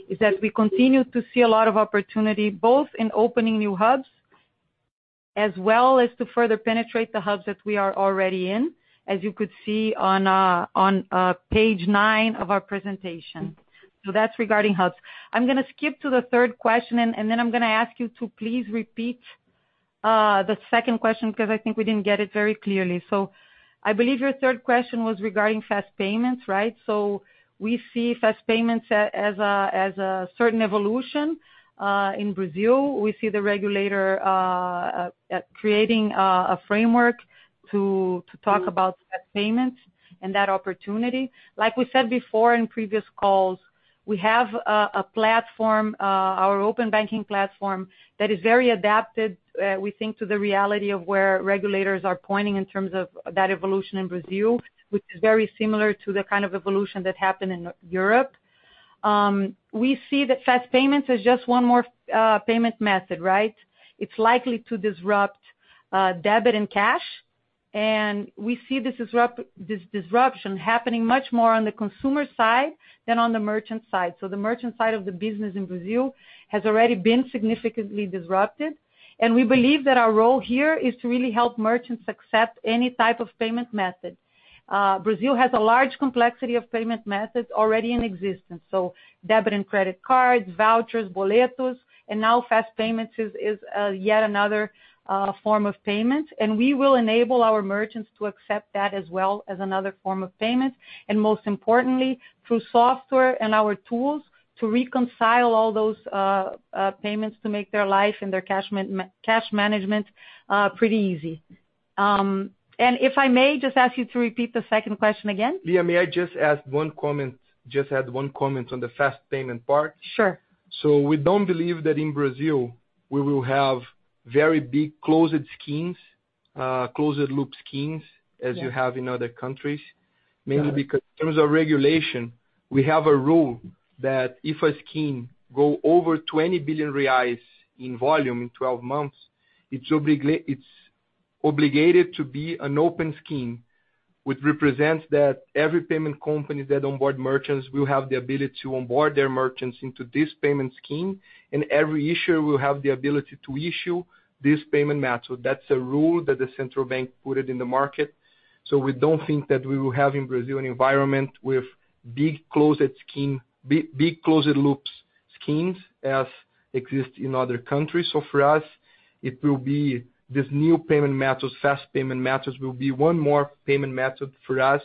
is that we continue to see a lot of opportunity, both in opening new hubs as well as to further penetrate the hubs that we are already in, as you could see on page nine of our presentation. That's regarding hubs. I'm going to skip to the third question, I'm going to ask you to please repeat the second question because I think we didn't get it very clearly. I believe your third question was regarding fast payments, right? We see fast payments as a certain evolution in Brazil. We see the regulator creating a framework to talk about fast payments and that opportunity. Like we said before in previous calls, we have a platform, our open banking platform, that is very adapted, we think, to the reality of where regulators are pointing in terms of that evolution in Brazil, which is very similar to the kind of evolution that happened in Europe. We see that fast payments is just one more payment method, right? It's likely to disrupt debit and cash. We see this disruption happening much more on the consumer side than on the merchant side. The merchant side of the business in Brazil has already been significantly disrupted, and we believe that our role here is to really help merchants accept any type of payment method. Brazil has a large complexity of payment methods already in existence. Debit and credit cards, vouchers, boletos, and now fast payments is yet another form of payment. We will enable our merchants to accept that as well as another form of payment, and most importantly, through software and our tools to reconcile all those payments to make their life and their cash management pretty easy. If I may just ask you to repeat the second question again. Yeah, may I just add one comment on the fast payment part? Sure. We don't believe that in Brazil we will have very big closed schemes, closed loop schemes, as you have in other countries. Mainly because in terms of regulation, we have a rule that if a scheme go over 20 billion reais in volume in 12 months, it's obligated to be an open scheme, which represents that every payment company that onboard merchants will have the ability to onboard their merchants into this payment scheme, and every issuer will have the ability to issue this payment method. That's a rule that the Central Bank put it in the market. We don't think that we will have in Brazil an environment with big closed loops schemes as exist in other countries. For us, it will be this new payment methods, fast payment methods will be one more payment method for us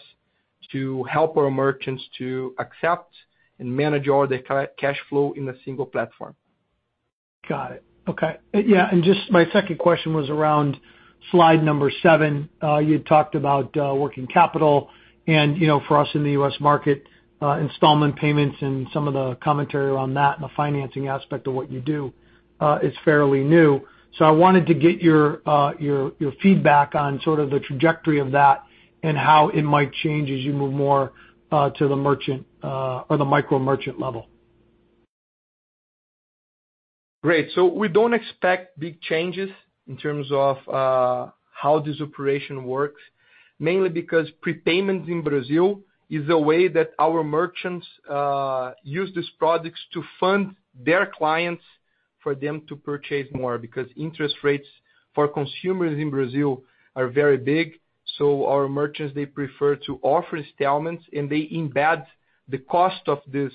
to help our merchants to accept and manage all their cash flow in a single platform. Got it. Okay. Just my second question was around slide number seven. You had talked about working capital and for us in the U.S. market, installment payments and some of the commentary around that and the financing aspect of what you do is fairly new. I wanted to get your feedback on sort of the trajectory of that and how it might change as you move more to the merchant or the micro-merchant level. Great. We don't expect big changes in terms of how this operation works, mainly because prepayments in Brazil is a way that our merchants use these products to fund their clients for them to purchase more. Interest rates for consumers in Brazil are very big. Our merchants, they prefer to offer installments, and they embed the cost of this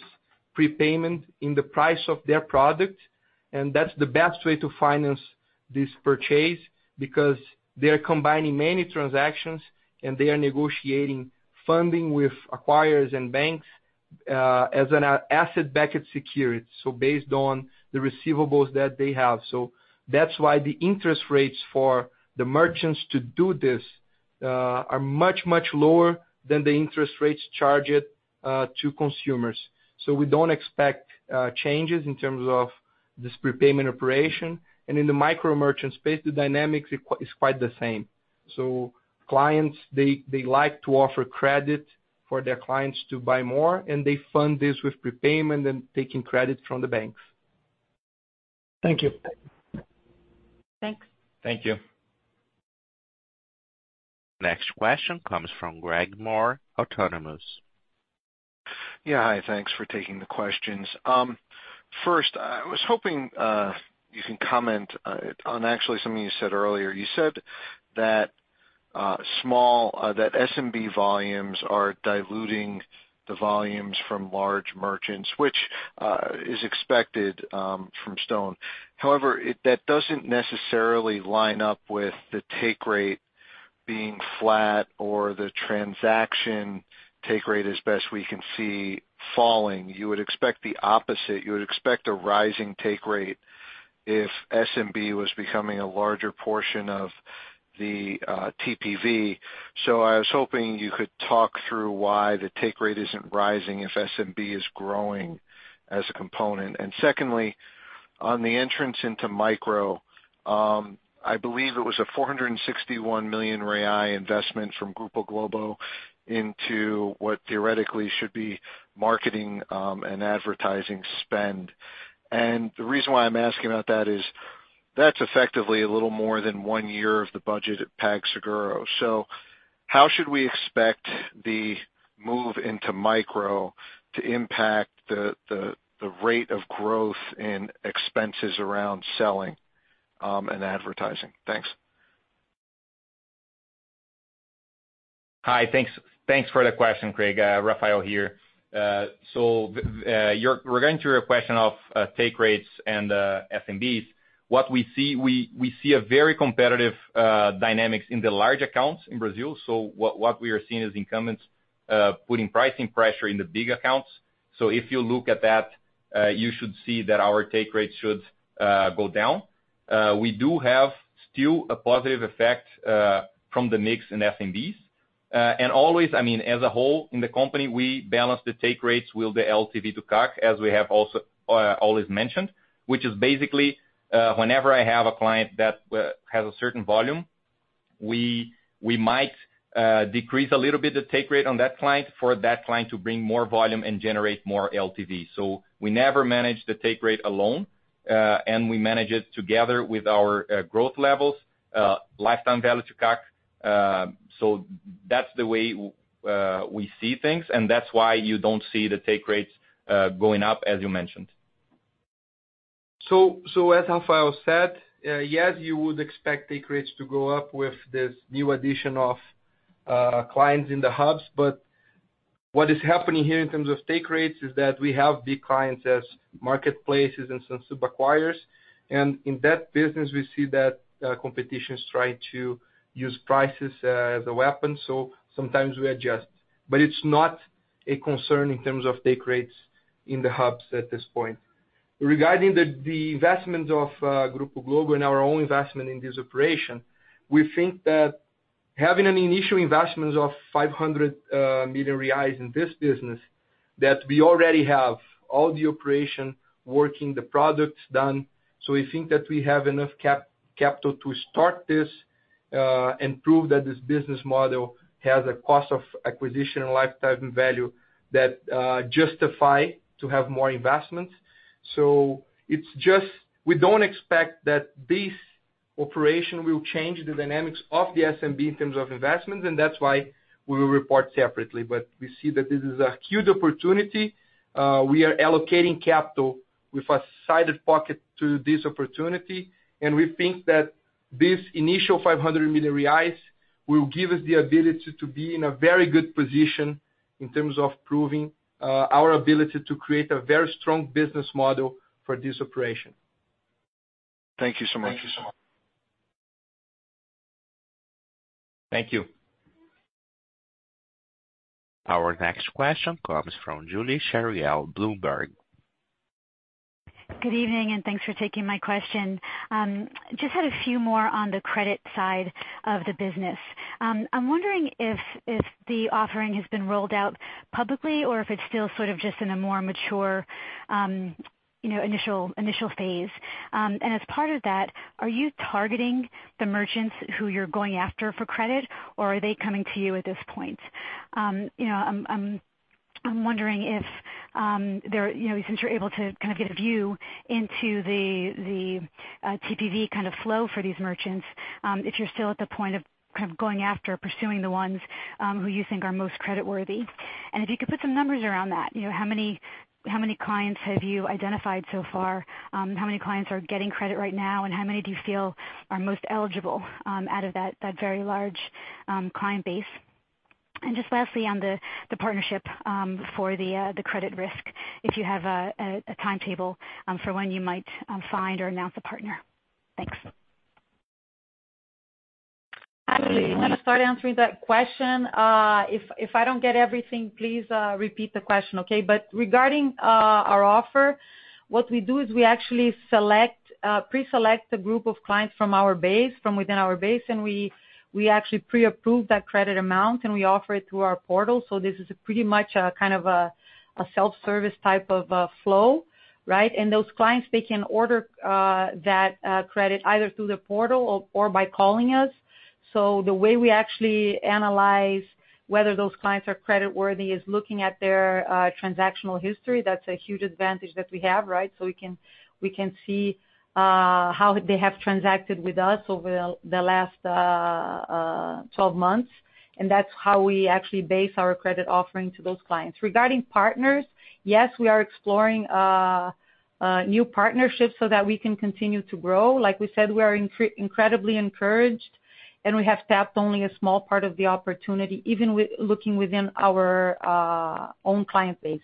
prepayment in the price of their product. That's the best way to finance this purchase, because they are combining many transactions and they are negotiating funding with acquirers and banks as an asset-backed security, based on the receivables that they have. That's why the interest rates for the merchants to do this are much, much lower than the interest rates charged to consumers. We don't expect changes in terms of this prepayment operation. In the micro-merchant space, the dynamics is quite the same. Clients, they like to offer credit for their clients to buy more, and they fund this with prepayment and taking credit from the banks. Thank you. Thanks. Thank you. Next question comes from Greg Moore, Autonomous. Yeah. Hi, thanks for taking the questions. First, I was hoping you can comment on actually something you said earlier. You said that SMB volumes are diluting the volumes from large merchants, which is expected from StoneCo. However, that doesn't necessarily line up with the take rate being flat or the transaction take rate as best we can see falling. You would expect the opposite. You would expect a rising take rate if SMB was becoming a larger portion of the TPV. I was hoping you could talk through why the take rate isn't rising if SMB is growing as a component. Secondly, on the entrance into micro, I believe it was a 461 million investment from Grupo Globo into what theoretically should be marketing and advertising spend. The reason why I'm asking about that is that's effectively a little more than one year of the budget at PagSeguro. How should we expect the move into micro to impact the rate of growth in expenses around selling and advertising? Thanks. Hi. Thanks for the question, Greg. Rafael here. We're going to your question of take rates and SMBs. What we see, we see a very competitive dynamics in the large accounts in Brazil. What we are seeing is incumbents putting pricing pressure in the big accounts. If you look at that, you should see that our take rates should go down. We do have still a positive effect from the mix in SMBs. Always, as a whole, in the company, we balance the take rates with the LTV to CAC, as we have always mentioned, which is basically, whenever I have a client that has a certain volume, we might decrease a little bit the take rate on that client for that client to bring more volume and generate more LTV. We never manage the take rate alone, we manage it together with our growth levels, lifetime value to CAC. That's the way we see things, that's why you don't see the take rates going up as you mentioned. As Rafael said, yes, you would expect take rates to go up with this new addition of clients in the hubs. What is happening here in terms of take rates is that we have big clients as marketplaces and some super acquirers. In that business, we see that competition is trying to use prices as a weapon, so sometimes we adjust. It's not a concern in terms of take rates in the hubs at this point. Regarding the investment of Grupo Globo and our own investment in this operation, we think that having an initial investment of 500 million reais in this business, that we already have all the operation working, the products done. We think that we have enough capital to start this and prove that this business model has a cost of acquisition and lifetime value that justify to have more investments. We don't expect that this operation will change the dynamics of the SMB in terms of investments, and that's why we will report separately. We see that this is a huge opportunity. We are allocating capital with a sided pocket to this opportunity, and we think that this initial 500 million reais will give us the ability to be in a very good position in terms of proving our ability to create a very strong business model for this operation. Thank you so much. Thank you. Our next question comes from Julie Chariell, Bloomberg. Good evening, and thanks for taking my question. Just had a few more on the credit side of the business. I'm wondering if the offering has been rolled out publicly or if it's still sort of just in a more mature initial phase. As part of that, are you targeting the merchants who you're going after for credit, or are they coming to you at this point? I'm wondering if, since you're able to kind of get a view into the TPV flow for these merchants, if you're still at the point of going after pursuing the ones who you think are most creditworthy. If you could put some numbers around that, how many clients have you identified so far? How many clients are getting credit right now, and how many do you feel are most eligible out of that very large client base? Just lastly, on the partnership for the credit risk, if you have a timetable for when you might find or announce a partner? Thanks. I'm going to start answering that question. If I don't get everything, please repeat the question, okay? Regarding our offer, what we do is we actually pre-select a group of clients from within our base, and we actually pre-approve that credit amount, and we offer it through our Stone portal. This is pretty much a kind of a self-service type of flow, right? Those clients, they can order that credit either through the Stone portal or by calling us. The way we actually analyze whether those clients are creditworthy is looking at their transactional history. That's a huge advantage that we have, right? We can see how they have transacted with us over the last 12 months, and that's how we actually base our credit offering to those clients. Regarding partners, yes, we are exploring new partnerships so that we can continue to grow. Like we said, we are incredibly encouraged, and we have tapped only a small part of the opportunity, even looking within our own client base.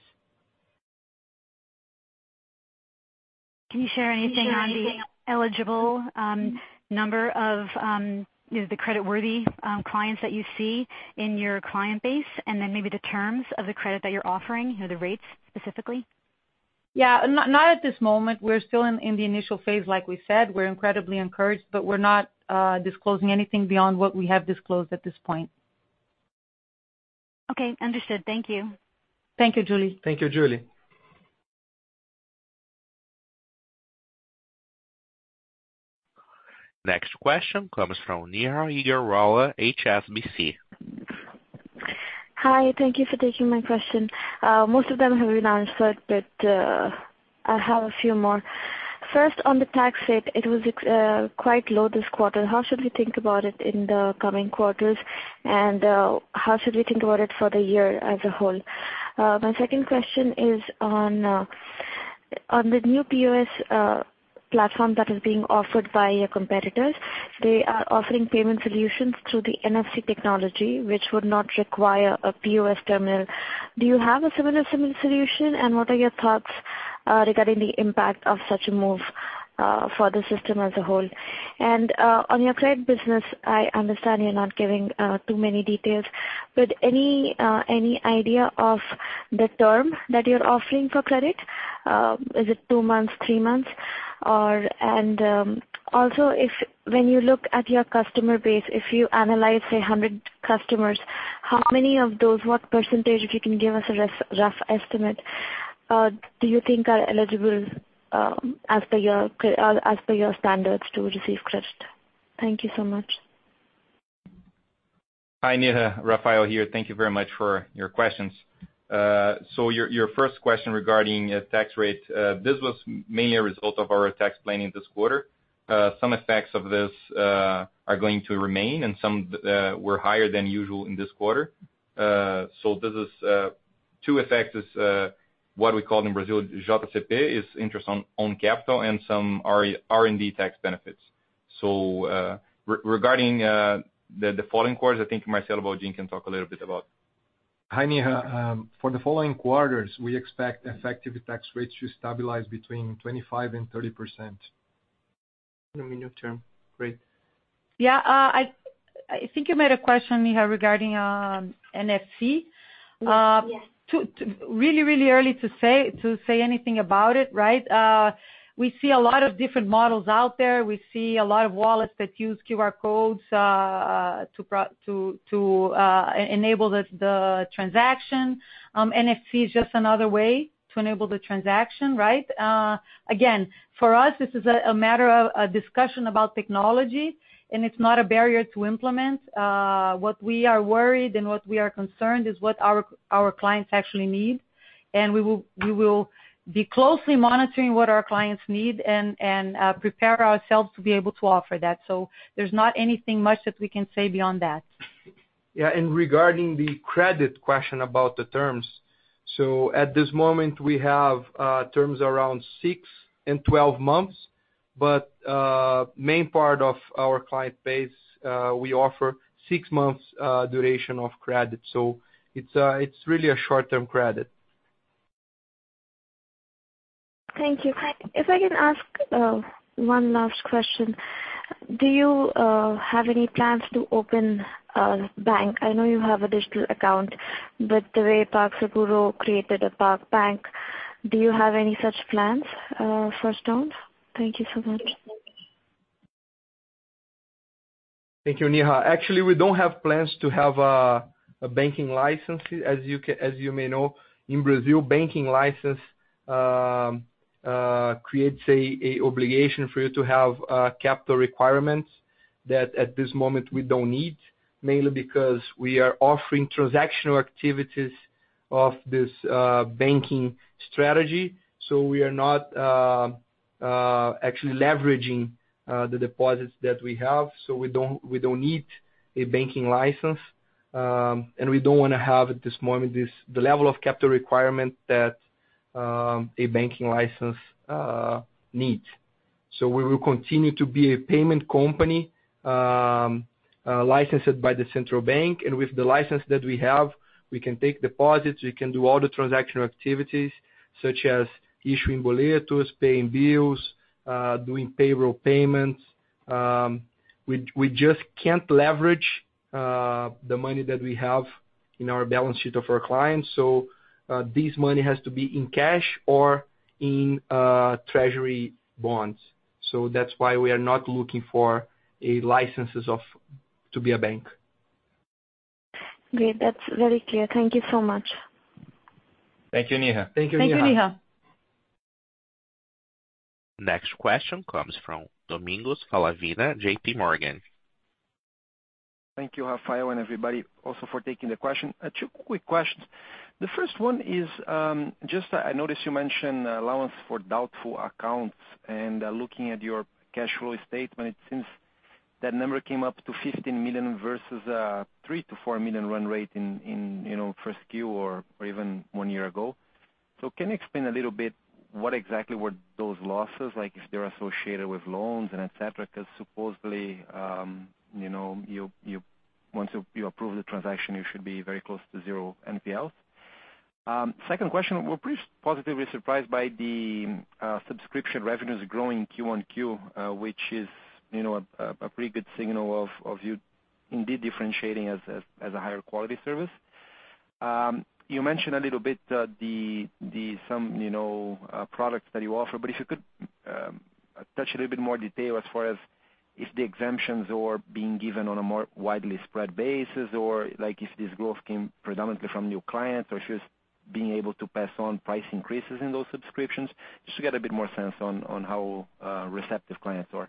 Can you share anything on the eligible number of the creditworthy clients that you see in your client base? And then maybe the terms of the credit that you're offering, the rates specifically? Yeah. Not at this moment. We're still in the initial phase, like we said. We're incredibly encouraged, but we're not disclosing anything beyond what we have disclosed at this point. Okay, understood. Thank you. Thank you, Julie. Thank you, Julie. Next question comes from Neha Agarwala, HSBC. Hi. Thank you for taking my question. Most of them have been answered, but I have a few more. First, on the tax rate, it was quite low this quarter. How should we think about it in the coming quarters, and how should we think about it for the year as a whole? My second question is on the new POS platform that is being offered by your competitors. They are offering payment solutions through the NFC technology, which would not require a POS terminal. Do you have a similar solution? What are your thoughts regarding the impact of such a move for the system as a whole? On your credit business, I understand you're not giving too many details, but any idea of the term that you're offering for credit? Is it two months, three months? Also when you look at your customer base, if you analyze, say, 100 customers, how many of those, what percentage, if you can give us a rough estimate, do you think are eligible as per your standards to receive credit? Thank you so much. Hi, Neha. Rafael here. Thank you very much for your questions. Your first question regarding tax rate, this was mainly a result of our tax planning this quarter. Some effects of this are going to remain, and some were higher than usual in this quarter. Two effects is what we call in Brazil, JCP, is interest on capital and some R&D tax benefits. Regarding the following quarters, I think Marcelo Baldin can talk a little bit about. Hi, Neha. For the following quarters, we expect effective tax rates to stabilize between 25% and 30%. In the medium term rate. Yeah. I think you made a question, Neha, regarding NFC. Yes. Really early to say anything about it, right? We see a lot of different models out there. We see a lot of wallets that use QR codes to enable the transaction. NFC is just another way to enable the transaction, right? Again, for us, this is a matter of a discussion about technology, and it's not a barrier to implement. What we are worried and what we are concerned is what our clients actually need. We will be closely monitoring what our clients need and prepare ourselves to be able to offer that. There's not anything much that we can say beyond that. Yeah. Regarding the credit question about the terms, at this moment, we have terms around six and 12 months. Main part of our client base we offer six months duration of credit. It's really a short-term credit. Thank you. If I can ask one last question, do you have any plans to open a bank? I know you have a digital account, but the way PagSeguro created a PagBank, do you have any such plans for Stone? Thank you so much. Thank you, Neha. Actually, we don't have plans to have a banking license. As you may know, in Brazil, banking license creates an obligation for you to have capital requirements that at this moment we don't need, mainly because we are offering transactional activities of this banking strategy. We are not actually leveraging the deposits that we have, so we don't need a banking license. We don't want to have, at this moment, the level of capital requirement that a banking license needs. We will continue to be a payment company licensed by the Central Bank. With the license that we have, we can take deposits, we can do all the transactional activities such as issuing boleto, paying bills, doing payroll payments. We just can't leverage the money that we have in our balance sheet of our clients. This money has to be in cash or in treasury bonds. That's why we are not looking for licenses to be a bank. Great. That's very clear. Thank you so much. Thank you, Neha. Thank you, Neha. Thank you, Neha. Next question comes from Domingos Falavina, JPMorgan. Thank you, Rafael and everybody also for taking the question. Two quick questions. The first one is, I noticed you mentioned allowance for doubtful accounts and looking at your cash flow statement, it seems that number came up to 15 million versus 3 million-4 million run rate in first Q or even one year ago. Can you explain a little bit what exactly were those losses like if they're associated with loans and et cetera? Supposedly once you approve the transaction, you should be very close to zero NPL. Second question, we're pretty positively surprised by the subscription revenues growing Q on Q, which is a pretty good signal of you indeed differentiating as a higher quality service. You mentioned a little bit some products that you offer, but if you could touch a little bit more detail as far as if the exemptions are being given on a more widely spread basis, or if this growth came predominantly from new clients, or if it's just being able to pass on price increases in those subscriptions. Just to get a bit more sense on how receptive clients are.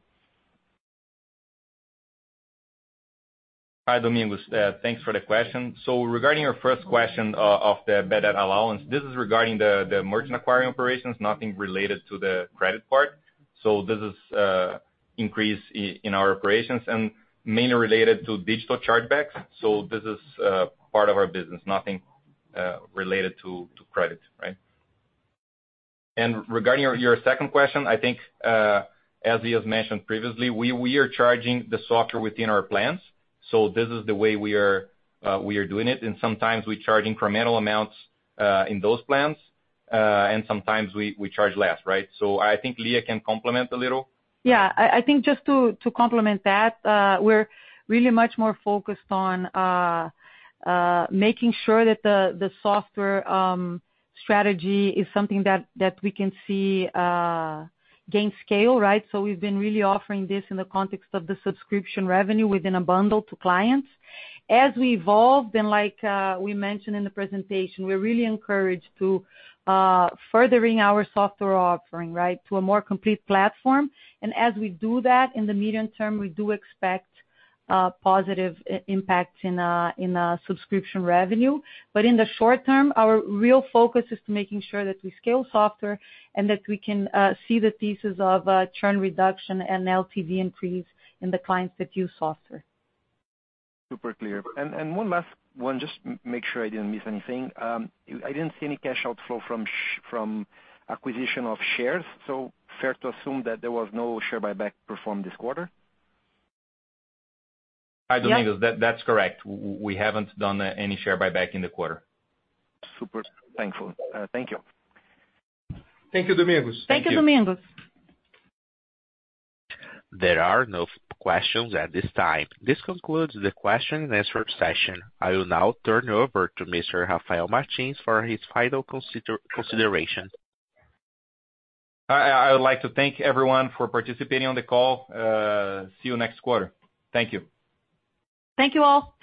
Hi, Domingos. Thanks for the question. Regarding your first question of the bad debt allowance, this is regarding the merchant acquiring operations, nothing related to the credit part. This is increase in our operations and mainly related to digital chargebacks. This is part of our business, nothing related to credit, right? Regarding your second question, I think as Lia has mentioned previously, we are charging the software within our plans. This is the way we are doing it. Sometimes we charge incremental amounts in those plans, and sometimes we charge less, right? I think Lia can complement a little. Yeah. I think just to complement that, we're really much more focused on making sure that the software strategy is something that we can see gain scale, right? We've been really offering this in the context of the subscription revenue within a bundle to clients. As we evolve, and like we mentioned in the presentation, we're really encouraged to furthering our software offering, right, to a more complete platform. As we do that in the medium term, we do expect positive impact in our subscription revenue. In the short term, our real focus is to making sure that we scale software and that we can see the pieces of churn reduction and LTV increase in the clients that use software. Super clear. One last one, just to make sure I didn't miss anything. I didn't see any cash outflow from acquisition of shares. Fair to assume that there was no share buyback performed this quarter? Hi, Domingos. That's correct. We haven't done any share buyback in the quarter. Super. Thank you. Thank you, Domingos. Thank you, Domingos. There are no questions at this time. This concludes the question and answer session. I will now turn over to Mr. Rafael Martins for his final considerations. I would like to thank everyone for participating on the call. See you next quarter. Thank you. Thank you all.